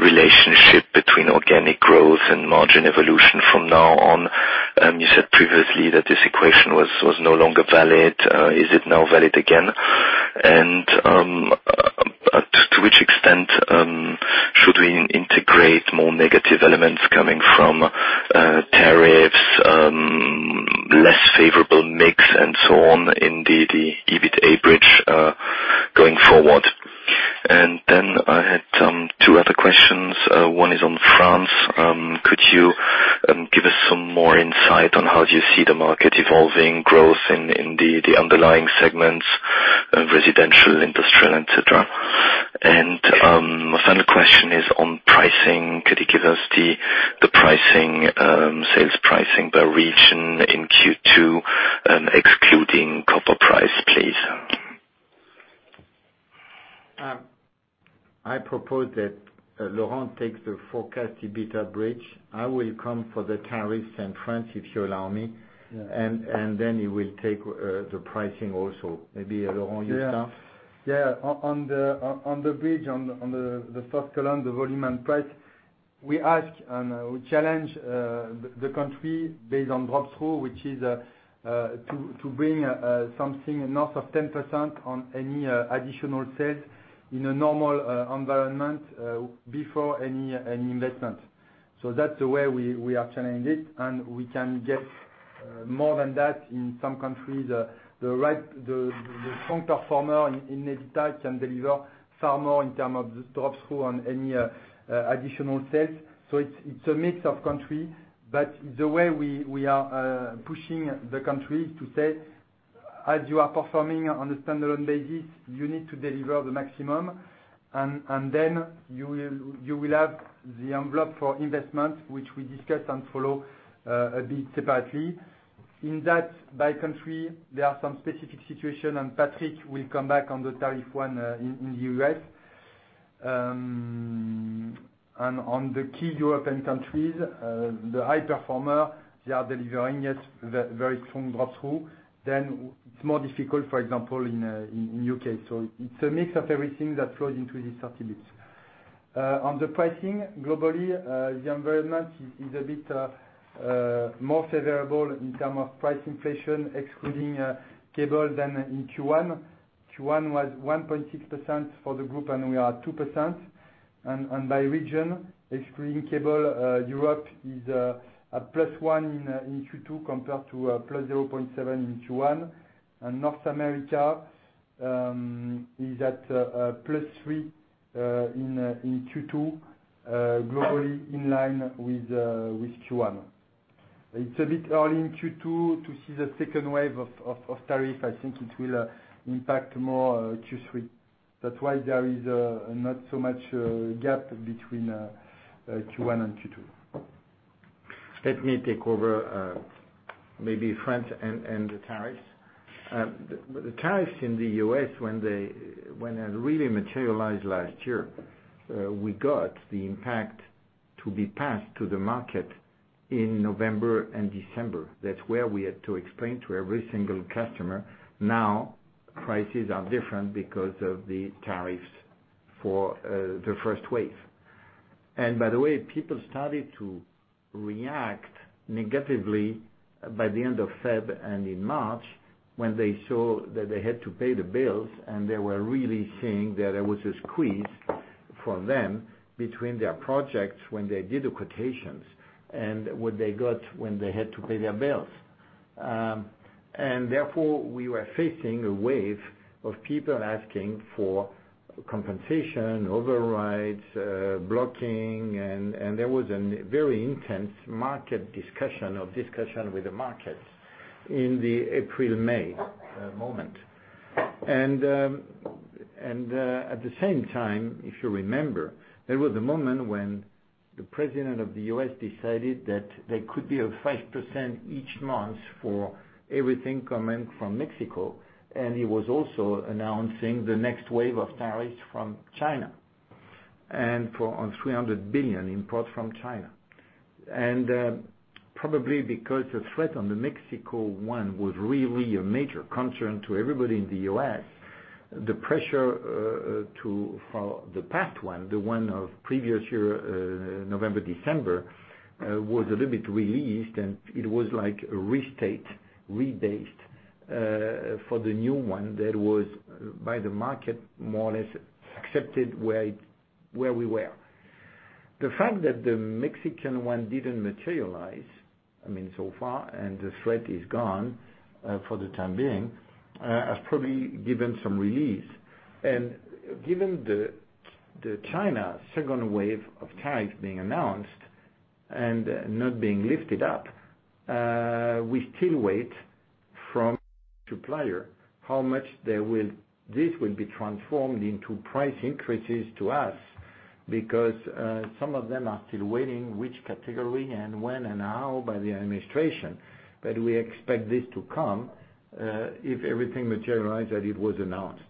relationship between organic growth and margin evolution from now on? You said previously that this equation was no longer valid. Is it now valid again? To which extent should we integrate more negative elements coming from tariffs, less favorable mix and so on in the EBITA bridge, going forward? I had two other questions. One is on France. Could you give us some more insight on how do you see the market evolving growth in the underlying segments, residential, industrial, et cetera? My final question is on pricing. Could you give us the sales pricing by region in Q2, excluding copper price, please? I propose that Laurent takes the forecast EBITA bridge. I will come for the tariffs in France, if you allow me. Yeah. He will take the pricing also. Maybe Laurent, you start. On the bridge, on the first column, the volume and price, we ask and we challenge the country based on drop-through, which is to bring something north of 10% on any additional sales in a normal environment before any investment. That's the way we are challenged, and we can get more than that in some countries. The strong performer in EBITA can deliver far more in term of the drop-through on any additional sales. It's a mix of country, the way we are pushing the country to say, "As you are performing on a standalone basis, you need to deliver the maximum, and you will have the envelope for investment," which we discuss and follow a bit separately. In that, by country, there are some specific situation, Patrick will come back on the tariff one in the U.S. On the key European countries, the high performer, they are delivering it very strong drop-through. It's more difficult, for example, in U.K. It's a mix of everything that flows into these 30 basis points. On the pricing globally, the environment is a bit more favorable in term of price inflation excluding cable than in Q1. Q1 was 1.6% for the group. We are 2%. By region, excluding cable, Europe is at +1% in Q2 compared to +0.7% in Q1. North America is at +3% in Q2, globally in line with Q1. It's a bit early in Q2 to see the second wave of tariff. I think it will impact more Q3. That's why there is not so much gap between Q1 and Q2. Let me take over maybe France and the tariffs. The tariffs in the U.S., when they really materialized last year, we got the impact to be passed to the market in November and December. That's where we had to explain to every single customer, now prices are different because of the tariffs for the first wave. By the way, people started to react negatively by the end of February and in March when they saw that they had to pay the bills, and they were really seeing that there was a squeeze for them between their projects when they did the quotations and what they got when they had to pay their bills. Therefore, we were facing a wave of people asking for compensation, overrides, blocking, and there was a very intense market discussion, or discussion with the markets in the April, May moment. At the same time, if you remember, there was a moment when the President of the U.S. decided that there could be a 5% each month for everything coming from Mexico, and he was also announcing the next wave of tariffs from China. For on $300 billion import from China. Probably because the threat on the Mexico one was really a major concern to everybody in the U.S., the pressure to follow the past one, the one of previous year, November, December, was a little bit released, and it was like restate, rebased, for the new one that was, by the market, more or less accepted where we were. The fact that the Mexican one didn't materialize, so far, and the threat is gone for the time being, has probably given some relief. Given the China second wave of tariffs being announced and not being lifted up, we still wait from supplier how much this will be transformed into price increases to us, because some of them are still waiting which category and when and how by the administration. We expect this to come, if everything materialize that it was announced.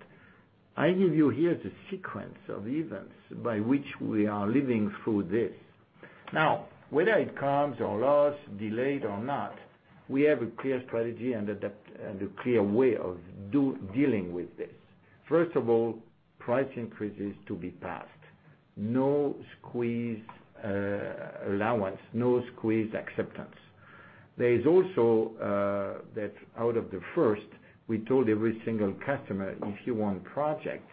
I give you here the sequence of events by which we are living through this. Now, whether it comes or laws delayed or not, we have a clear strategy and a clear way of dealing with this. First of all, price increases to be passed. No squeeze allowance, no squeeze acceptance. There is also, that out of the first, we told every single customer, if you want projects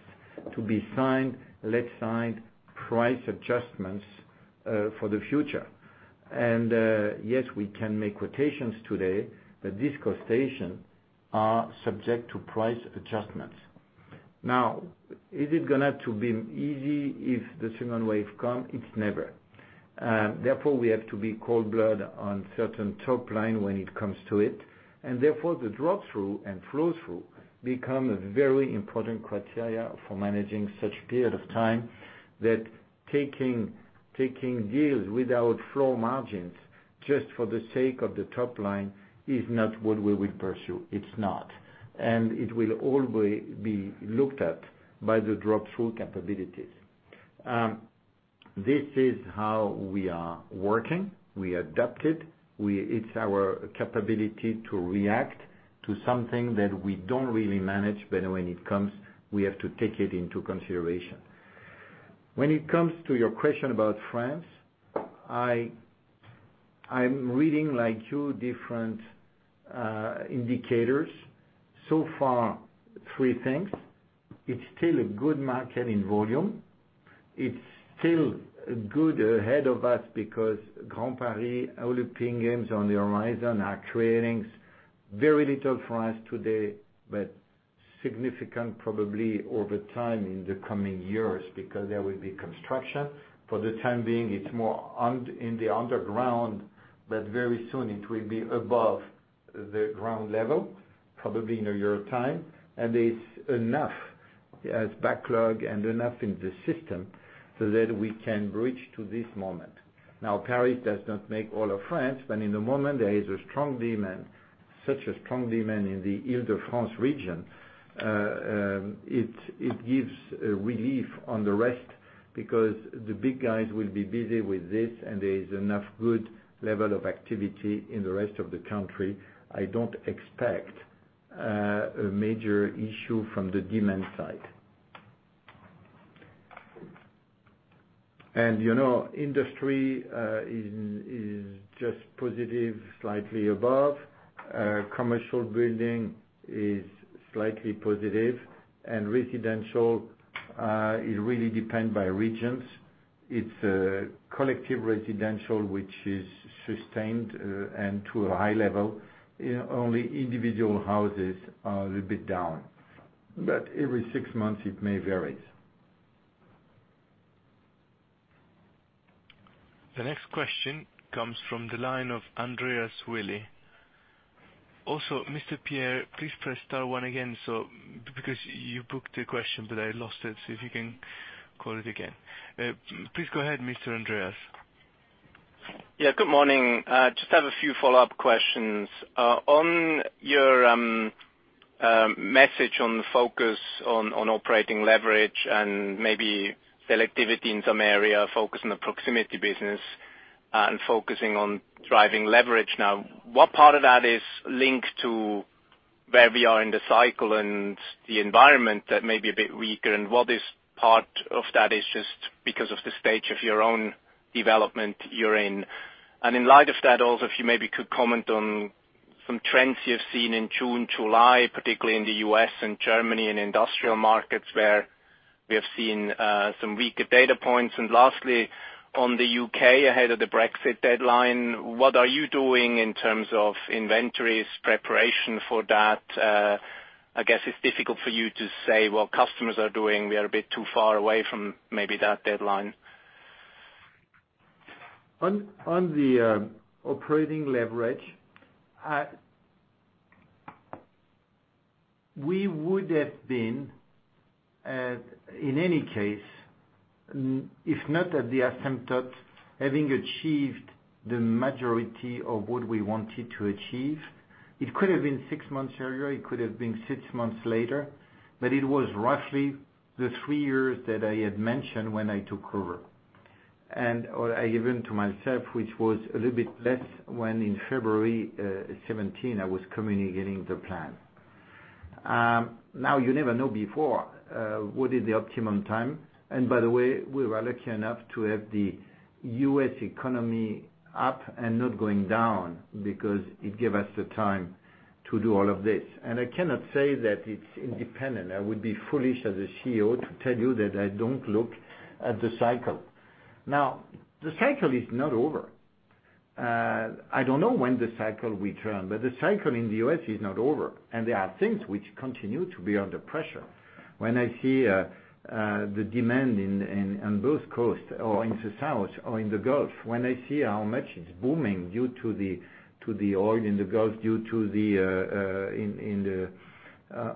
to be signed, let's sign price adjustments for the future. Yes, we can make quotations today, but this quotation are subject to price adjustments. Now, is it going to be easy if the second wave come? It's never. Therefore, we have to be cold blood on certain top line when it comes to it. Therefore, the drop-through and flow-through become a very important criteria for managing such period of time, that taking deals without flow margins just for the sake of the top line is not what we will pursue. It's not. It will always be looked at by the drop-through capabilities. This is how we are working. We adapted. It's our capability to react to something that we don't really manage, but when it comes, we have to take it into consideration. When it comes to your question about France, I'm reading two different indicators. So far, three things. It's still a good market in volume. It's still good ahead of us because Grand Paris, Olympic Games on the horizon are creating very little for us today, but significant probably over time in the coming years because there will be construction. For the time being, it's more in the underground, but very soon it will be above the ground level, probably in a year time. It's enough as backlog and enough in the system so that we can bridge to this moment. Now, Paris does not make all of France, but in the moment, there is a strong demand, such a strong demand in the Île-de-France region. It gives a relief on the rest because the big guys will be busy with this, and there is enough good level of activity in the rest of the country. I don't expect a major issue from the demand side. Industry is just positive, slightly above. Commercial building is slightly positive, and residential, it really depends by regions. It is collective residential which is sustained and to a high level. Only individual houses are a little bit down. Every six months, it may vary. The next question comes from the line of Andreas Willi. Mr. Pierre, please press star one again, because you booked a question, but I lost it, so if you can call it again. Please go ahead, Mr. Andreas. Yeah. Good morning. Just have a few follow-up questions. On your message on focus on operating leverage and maybe selectivity in some area, focus on the proximity business, and focusing on driving leverage now. What part of that is linked to where we are in the cycle and the environment that may be a bit weaker, and what is part of that is just because of the stage of your own development you're in? In light of that, also, if you maybe could comment on some trends you have seen in June, July, particularly in the U.S. and Germany, and industrial markets where we have seen some weaker data points. Lastly, on the U.K. ahead of the Brexit deadline, what are you doing in terms of inventories, preparation for that? I guess it's difficult for you to say what customers are doing. We are a bit too far away from maybe that deadline. On the operating leverage, we would have been, in any case, if not at the asymptote, having achieved the majority of what we wanted to achieve. It could have been six months earlier, it could have been six months later, but it was roughly the three years that I had mentioned when I took over. Or I given to myself, which was a little bit less when in February 2017, I was communicating the plan. Now, you never know before, what is the optimum time. By the way, we were lucky enough to have the U.S. economy up and not going down because it gave us the time to do all of this. I cannot say that it's independent. I would be foolish as a CEO to tell you that I don't look at the cycle. Now, the cycle is not over. I don't know when the cycle will turn, but the cycle in the U.S. is not over, and there are things which continue to be under pressure. When I see the demand on both coasts or into South or in the Gulf, when I see how much it's booming due to the oil in the Gulf, due to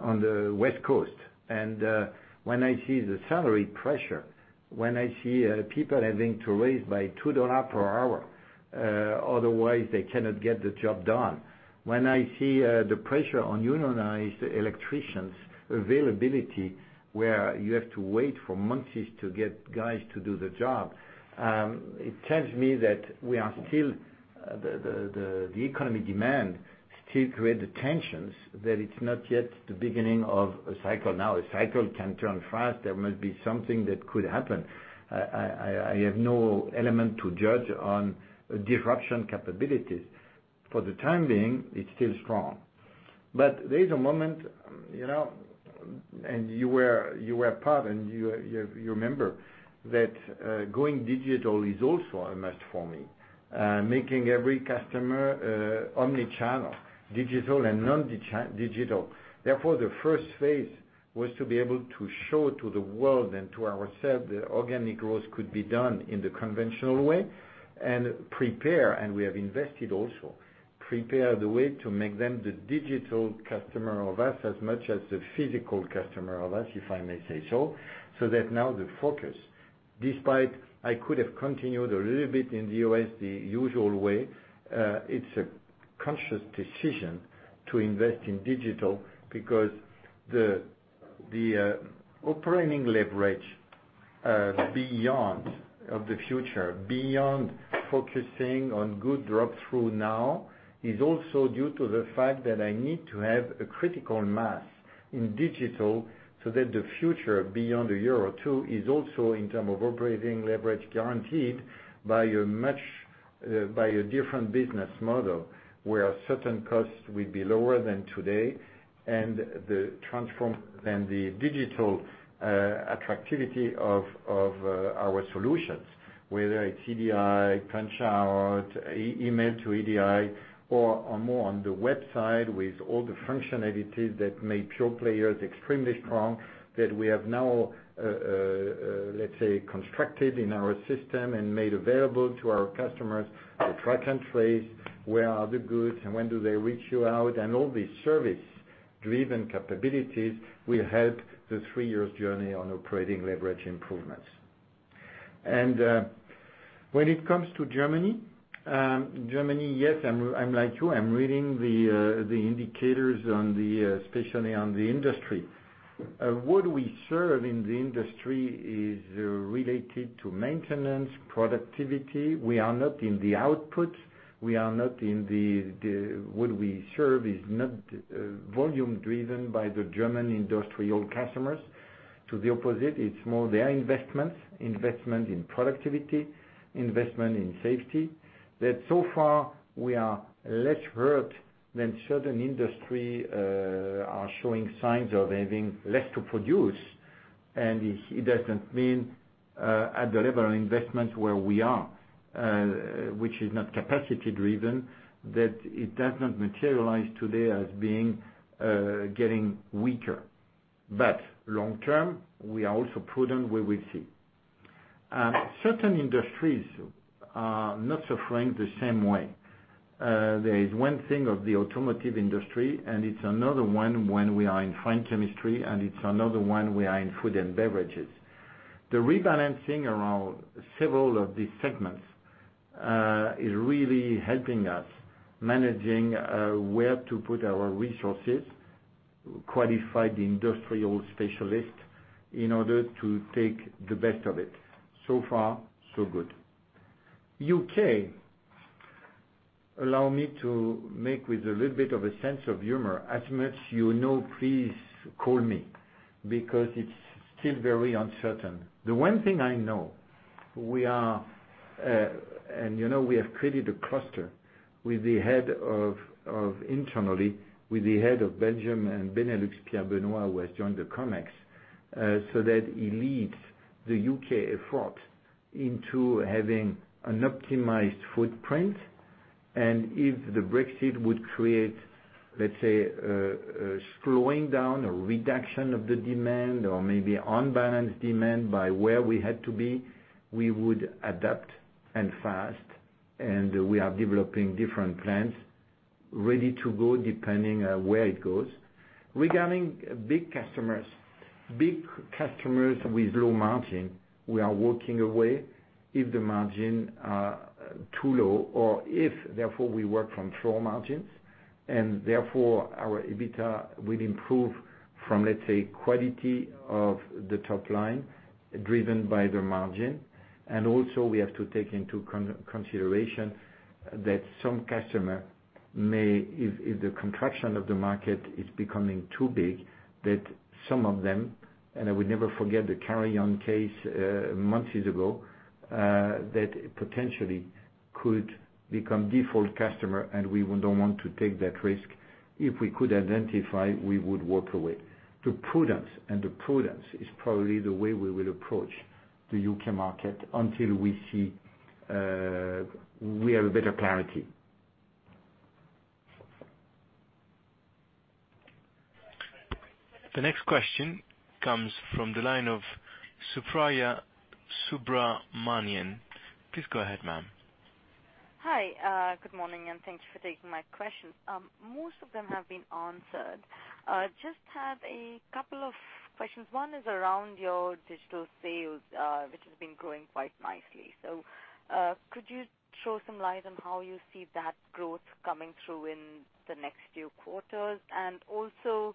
on the West Coast. When I see the salary pressure, when I see people having to raise by $2 per hour, otherwise they cannot get the job done. When I see the pressure on unionized electricians' availability, where you have to wait for months to get guys to do the job, it tells me that the economy demand still create the tensions, that it's not yet the beginning of a cycle. A cycle can turn fast. There might be something that could happen. I have no element to judge on disruption capabilities. For the time being, it's still strong. There is a moment, you were part and you remember that going digital is also a must for me. Making every customer omni-channel, digital and non-digital. The first phase was to be able to show to the world and to ourselves that organic growth could be done in the conventional way, prepare, we have invested also. Prepare the way to make them the digital customer of us as much as the physical customer of us, if I may say so. That now the focus, despite I could have continued a little bit in the U.S. the usual way, it's a conscious decision to invest in digital because the operating leverage of the future, beyond focusing on good drop-through now, is also due to the fact that I need to have a critical mass in digital so that the future beyond one year or two is also in terms of operating leverage guaranteed by a different business model, where certain costs will be lower than today, and the digital attractivity of our solutions. Whether it's EDI, Punchout, email to EDI or more on the website with all the functionalities that made pure players extremely strong, that we have now, let's say, constructed in our system and made available to our customers. The track and trace, where are the goods and when do they reach you out, all these service-driven capabilities will help the three years journey on operating leverage improvements. When it comes to Germany, yes, I'm like you. I'm reading the indicators especially on the industry. What we serve in the industry is related to maintenance, productivity. We are not in the outputs. What we serve is not volume driven by the German industrial customers. To the opposite, it's more their investments, investment in productivity, investment in safety. That so far we are less hurt than certain industry are showing signs of having less to produce. It doesn't mean at the level of investments where we are, which is not capacity-driven, that it does not materialize today as getting weaker. Long term, we are also prudent. We will see. Certain industries are not suffering the same way. There is one thing of the automotive industry, it's another one when we are in fine chemistry, it's another one we are in food and beverages. The rebalancing around several of these segments is really helping us managing where to put our resources, qualify the industrial specialist in order to take the best of it. So far, so good. U.K., allow me to make with a little bit of a sense of humor. As much you know, please call me, because it's still very uncertain. The one thing I know, you know we have created a cluster with the head of, internally, with the head of Belgium and Benelux, Pierre Benoît, who has joined the Comex, so that he leads the U.K. effort into having an optimized footprint. If the Brexit would create, let's say, a slowing down or reduction of the demand or maybe unbalanced demand by where we had to be, we would adapt, and fast. We are developing different plans, ready to go depending where it goes. Regarding big customers. Big customers with low margin, we are walking away if the margin are too low or if, therefore, we work from low margins. Therefore, our EBITDA will improve from, let's say, quality of the top line driven by the margin. Also, we have to take into consideration that some customer may, if the contraction of the market is becoming too big, that some of them, and I will never forget the Carillion case months ago, that potentially could become default customer, and we don't want to take that risk. If we could identify, we would walk away. The prudence is probably the way we will approach the U.K. market until we have a better clarity. The next question comes from the line of Supriya Subramanian. Please go ahead, ma'am. Hi. Good morning, thank you for taking my questions. Most of them have been answered. Just have a couple of questions. One is around your digital sales, which has been growing quite nicely. Could you show some light on how you see that growth coming through in the next few quarters? Also,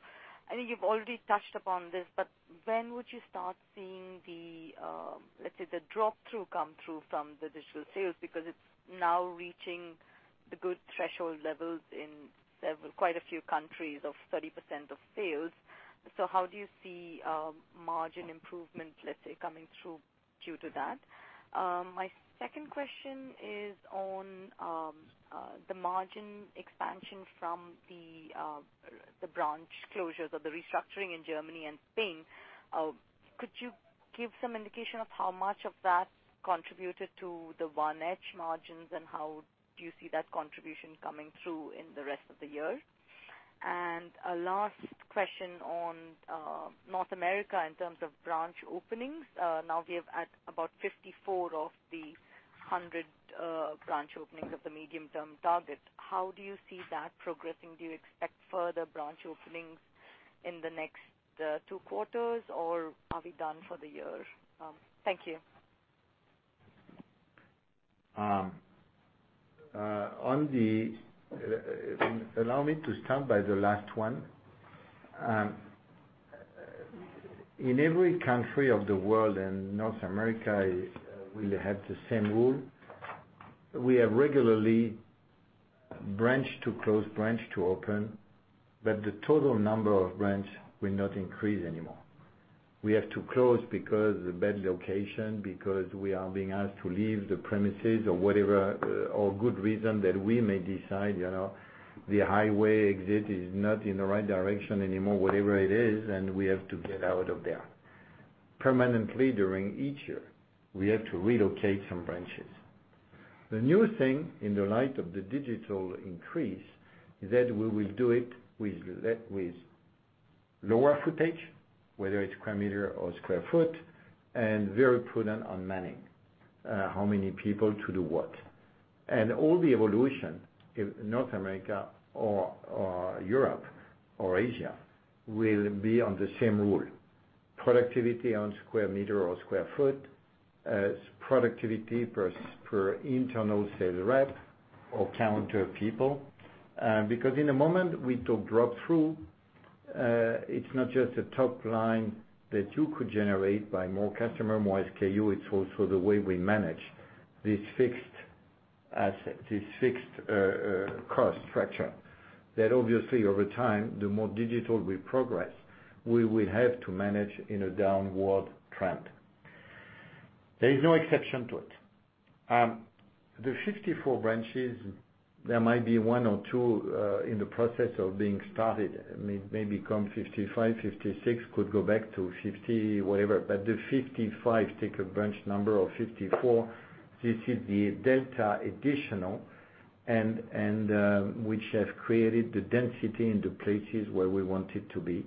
I think you've already touched upon this, but when would you start seeing the, let's say, the drop-through come through from the digital sales? It's now reaching the good threshold levels in quite a few countries of 30% of sales. How do you see margin improvement, let's say, coming through due to that? My second question is on the margin expansion from the branch closures or the restructuring in Germany and Spain. Could you give some indication of how much of that contributed to the EBITA margins, how do you see that contribution coming through in the rest of the year? A last question on North America in terms of branch openings. Now we have at about 54 of the 100 branch openings of the medium-term target. How do you see that progressing? Do you expect further branch openings in the next two quarters, are we done for the year? Thank you. Allow me to start by the last one. In every country of the world, and North America will have the same rule, we have regularly branch to close, branch to open. The total number of branch will not increase anymore. We have to close because bad location, because we are being asked to leave the premises or whatever, or good reason that we may decide the highway exit is not in the right direction anymore, whatever it is, we have to get out of there. Permanently during each year, we have to relocate some branches. The new thing in the light of the digital increase is that we will do it with lower footage, whether it's square meter or square foot, and very prudent on manning, how many people to do what. All the evolution in North America or Europe or Asia will be on the same rule. Productivity on square meter or square foot, productivity per internal sales rep or counter people. In the moment we talk drop-through, it's not just a top line that you could generate by more customer, more SKU. It's also the way we manage this fixed asset, this fixed cost structure. Obviously over time, the more digital we progress, we will have to manage in a downward trend. There is no exception to it. The 54 branches, there might be one or two in the process of being started. May become 55, 56, could go back to 50, whatever. The 55, take a branch number of 54. This is the delta additional, and which has created the density in the places where we want it to be,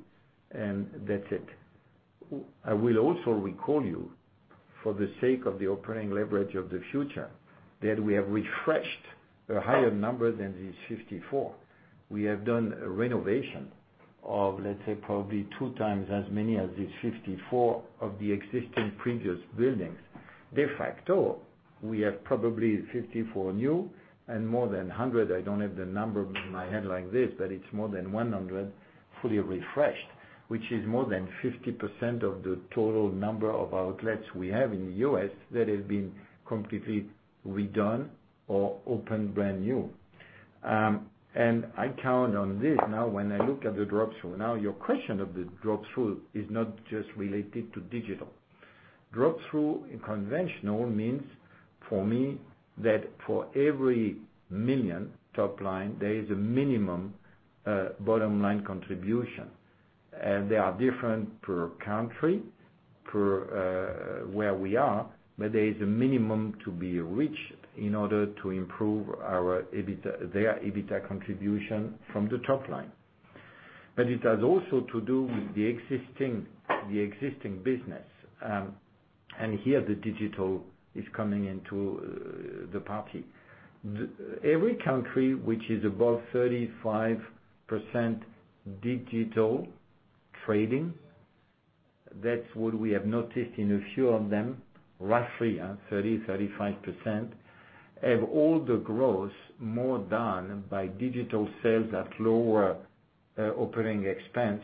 and that's it. I will also recall you, for the sake of the operating leverage of the future, that we have refreshed a higher number than these 54. We have done a renovation of, let's say, probably two times as many as these 54 of the existing previous buildings. De facto, we have probably 54 new and more than 100, I don't have the number in my head like this, but it's more than 100 fully refreshed, which is more than 50% of the total number of outlets we have in the U.S. that have been completely redone or opened brand new. I count on this now when I look at the drop-through. Now, your question of the drop-through is not just related to digital. Drop-through in conventional means, for me, that for every 1 million top line, there is a minimum bottom-line contribution. They are different per country, per where we are, but there is a minimum to be reached in order to improve their EBITDA contribution from the top line. It has also to do with the existing business. Here, the digital is coming into the party. Every country which is above 35% digital trading, that's what we have noticed in a few of them, roughly 30%, 35%, have all the growth more done by digital sales at lower operating expense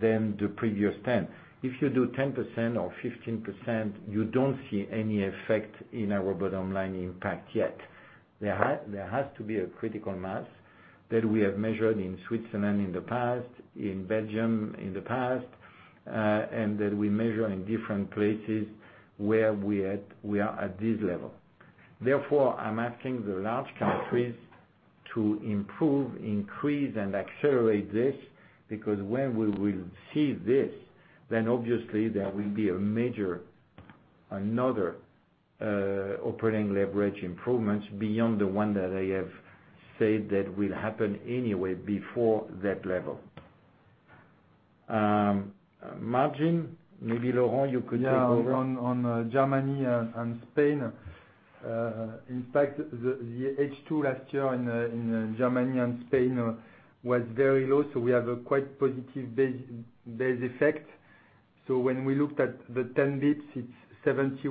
than the previous 10. If you do 10% or 15%, you don't see any effect in our bottom line impact yet. There has to be a critical mass that we have measured in Switzerland in the past, in Belgium in the past, and that we measure in different places where we are at this level. Therefore, I'm asking the large countries to improve, increase, and accelerate this, because when we will see this, then obviously there will be a major, another operating leverage improvements beyond the one that I have said that will happen anyway before that level. Margin, maybe Laurent you could take over. Yeah. On Germany and Spain. In fact, the H2 last year in Germany and Spain was very low, so we have a quite positive base effect. When we looked at the 10 bps, 70%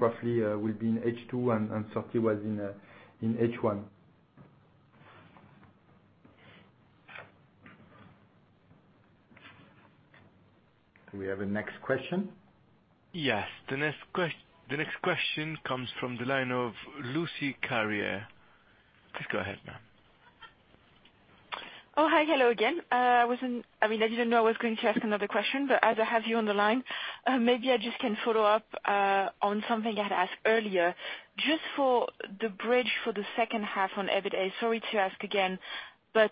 roughly will be in H2, and 30% was in H1. Do we have a next question? Yes. The next question comes from the line of Lucie Carrier. Please go ahead, ma'am. Hi. Hello again. I didn't know I was going to ask another question, but as I have you on the line, maybe I just can follow up on something I'd asked earlier. Just for the bridge for the second half on EBITA, sorry to ask again, but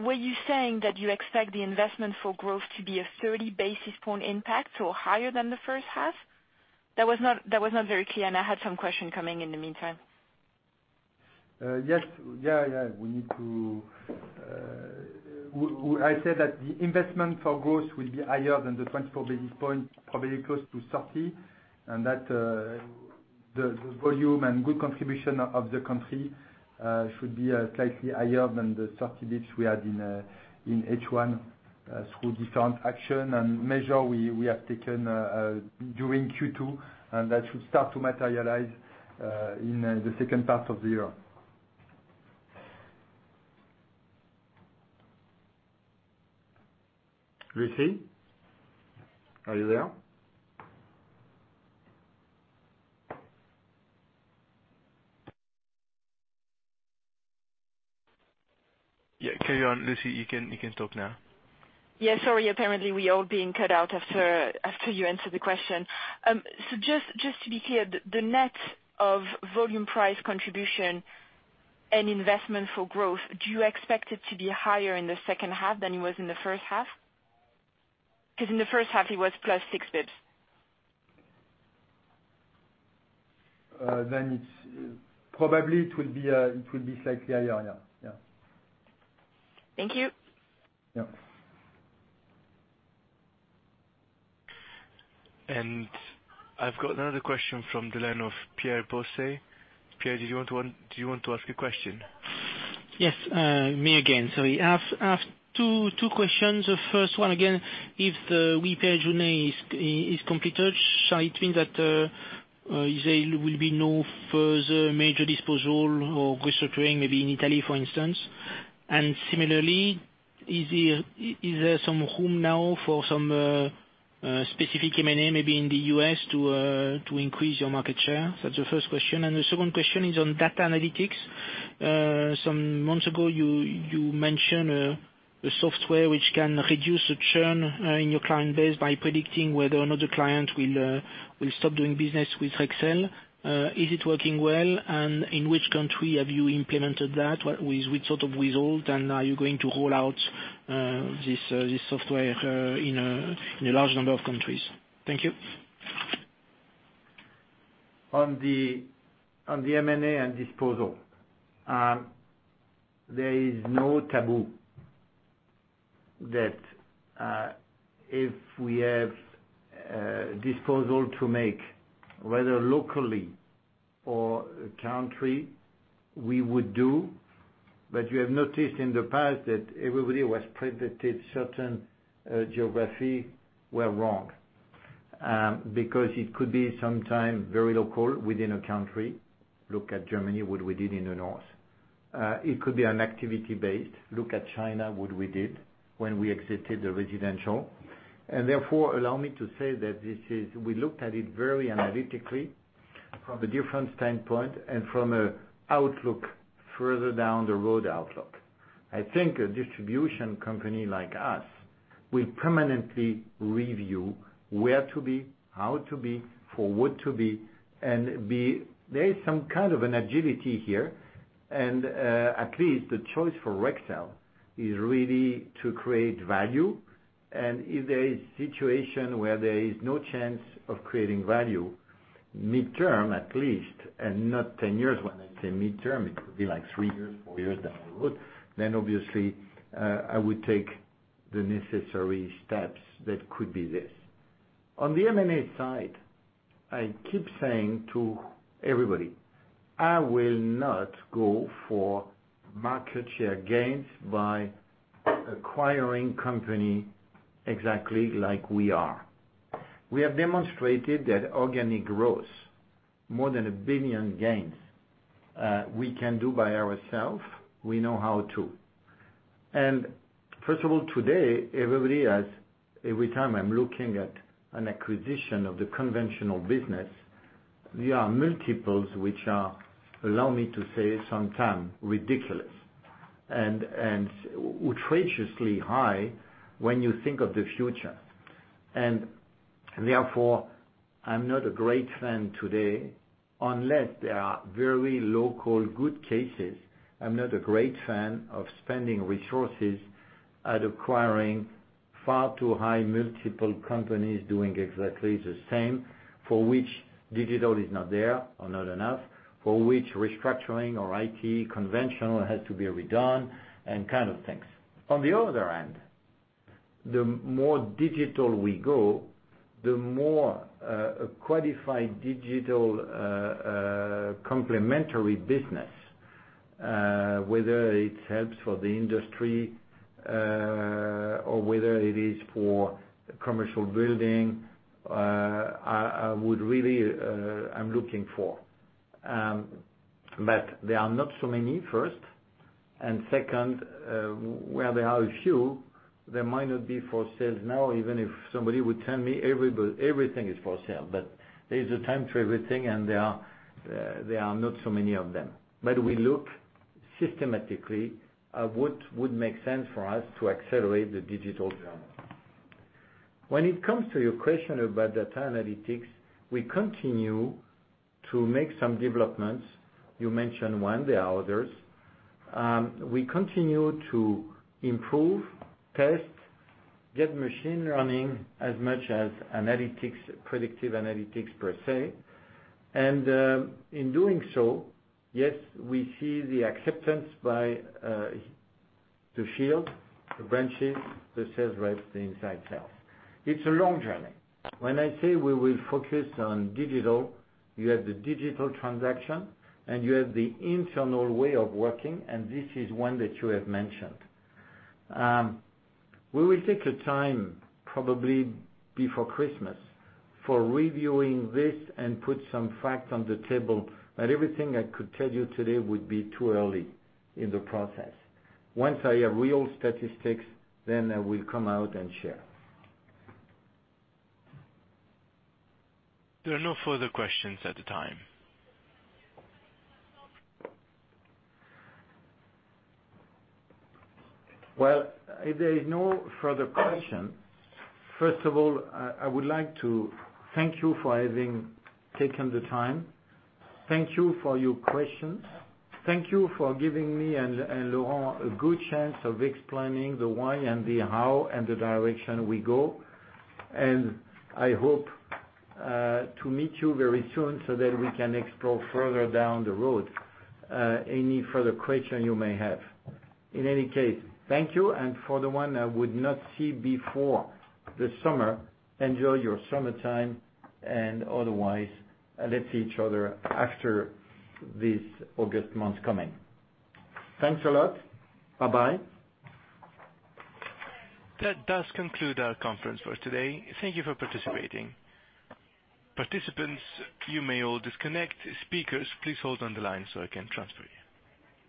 were you saying that you expect the investment for growth to be a 30 basis point impact or higher than the first half? That was not very clear. I had some question coming in the meantime. Yes. I say that the investment for growth will be higher than the 24 basis points, probably close to 30, and that the volume and good contribution of the country should be slightly higher than the 30 basis points we had in H1 through different action and measure we have taken during Q2, and that should start to materialize in the second part of the year. Lucie, are you there? Yeah, carry on, Lucie, you can talk now. Yeah, sorry. Apparently, we all being cut out after you answered the question. Just to be clear, the net of volume price contribution and investment for growth, do you expect it to be higher in the second half than it was in the first half, because in the first half it was plus 6 basis points? Probably it will be slightly higher. Thank you. Yeah. I've got another question from the line of Pierre Bosset. Pierre, do you want to ask a question? Yes, me again. Sorry. I have two questions. The first one, again, if the repair journey is completed, shall it mean that there will be no further major disposal or restructuring, maybe in Italy, for instance? Similarly, is there some room now for some specific M&A, maybe in the U.S. to increase your market share? That's the first question. The second question is on data analytics. Some months ago, you mentioned a software which can reduce the churn in your client base by predicting whether or another client will stop doing business with Rexel. Is it working well? In which country have you implemented that? With which sort of result? Are you going to roll out this software in a large number of countries? Thank you. On the M&A and disposal. There is no taboo that if we have a disposal to make, whether locally or country, we would do. You have noticed in the past that everybody was predicted certain geographies were wrong. It could be sometimes very local within a country. Look at Germany, what we did in the North. It could be an activity-based. Look at China, what we did when we exited the residential. Therefore, allow me to say that we looked at it very analytically from a different standpoint and from a further down the road outlook. I think a distribution company like us will permanently review where to be, how to be, for what to be. There is some kind of an agility here. At least the choice for Rexel is really to create value. If there is situation where there is no chance of creating value, midterm at least, and not 10 years. When I say midterm, it could be like three years, four years down the road. Obviously, I would take the necessary steps that could be this. On the M&A side, I keep saying to everybody, I will not go for market share gains by acquiring company exactly like we are. We have demonstrated that organic growth, more than 1 billion gains, we can do by ourselves. We know how to. First of all, today, every time I'm looking at an acquisition of the conventional business, there are multiples which are, allow me to say, sometimes ridiculous and outrageously high when you think of the future. Therefore, I'm not a great fan today, unless there are very local good cases. I'm not a great fan of spending resources at acquiring far too high multiple companies doing exactly the same, for which digital is not there or not enough, for which restructuring or IT conventional has to be redone and kind of things. The more digital we go, the more a qualified digital complementary business, whether it helps for the industry or whether it is for commercial building, I'm looking for. There are not so many, first. Second, where there are a few, they might not be for sale now, even if somebody would tell me everything is for sale. There's a time for everything and there are not so many of them. We look systematically at what would make sense for us to accelerate the digital journey. When it comes to your question about data analytics, we continue to make some developments. You mentioned one, there are others. We continue to improve tests, get machine learning as much as predictive analytics, per se. In doing so, yes, we see the acceptance by the field, the branches, the sales reps, the inside sales. It's a long journey. When I say we will focus on digital, you have the digital transaction, and you have the internal way of working, and this is one that you have mentioned. We will take the time probably before Christmas for reviewing this and put some facts on the table, but everything I could tell you today would be too early in the process. Once I have real statistics, then I will come out and share. There are no further questions at the time. Well, if there is no further question, first of all, I would like to thank you for having taken the time. Thank you for your questions. Thank you for giving me and Laurent a good chance of explaining the why and the how and the direction we go. I hope to meet you very soon so that we can explore further down the road any further question you may have. In any case, thank you. For the one I would not see before the summer, enjoy your summertime and otherwise, let's see each other after this August month coming. Thanks a lot. Bye-bye. That does conclude our conference for today. Thank you for participating. Participants, you may all disconnect. Speakers, please hold on the line so I can transfer you.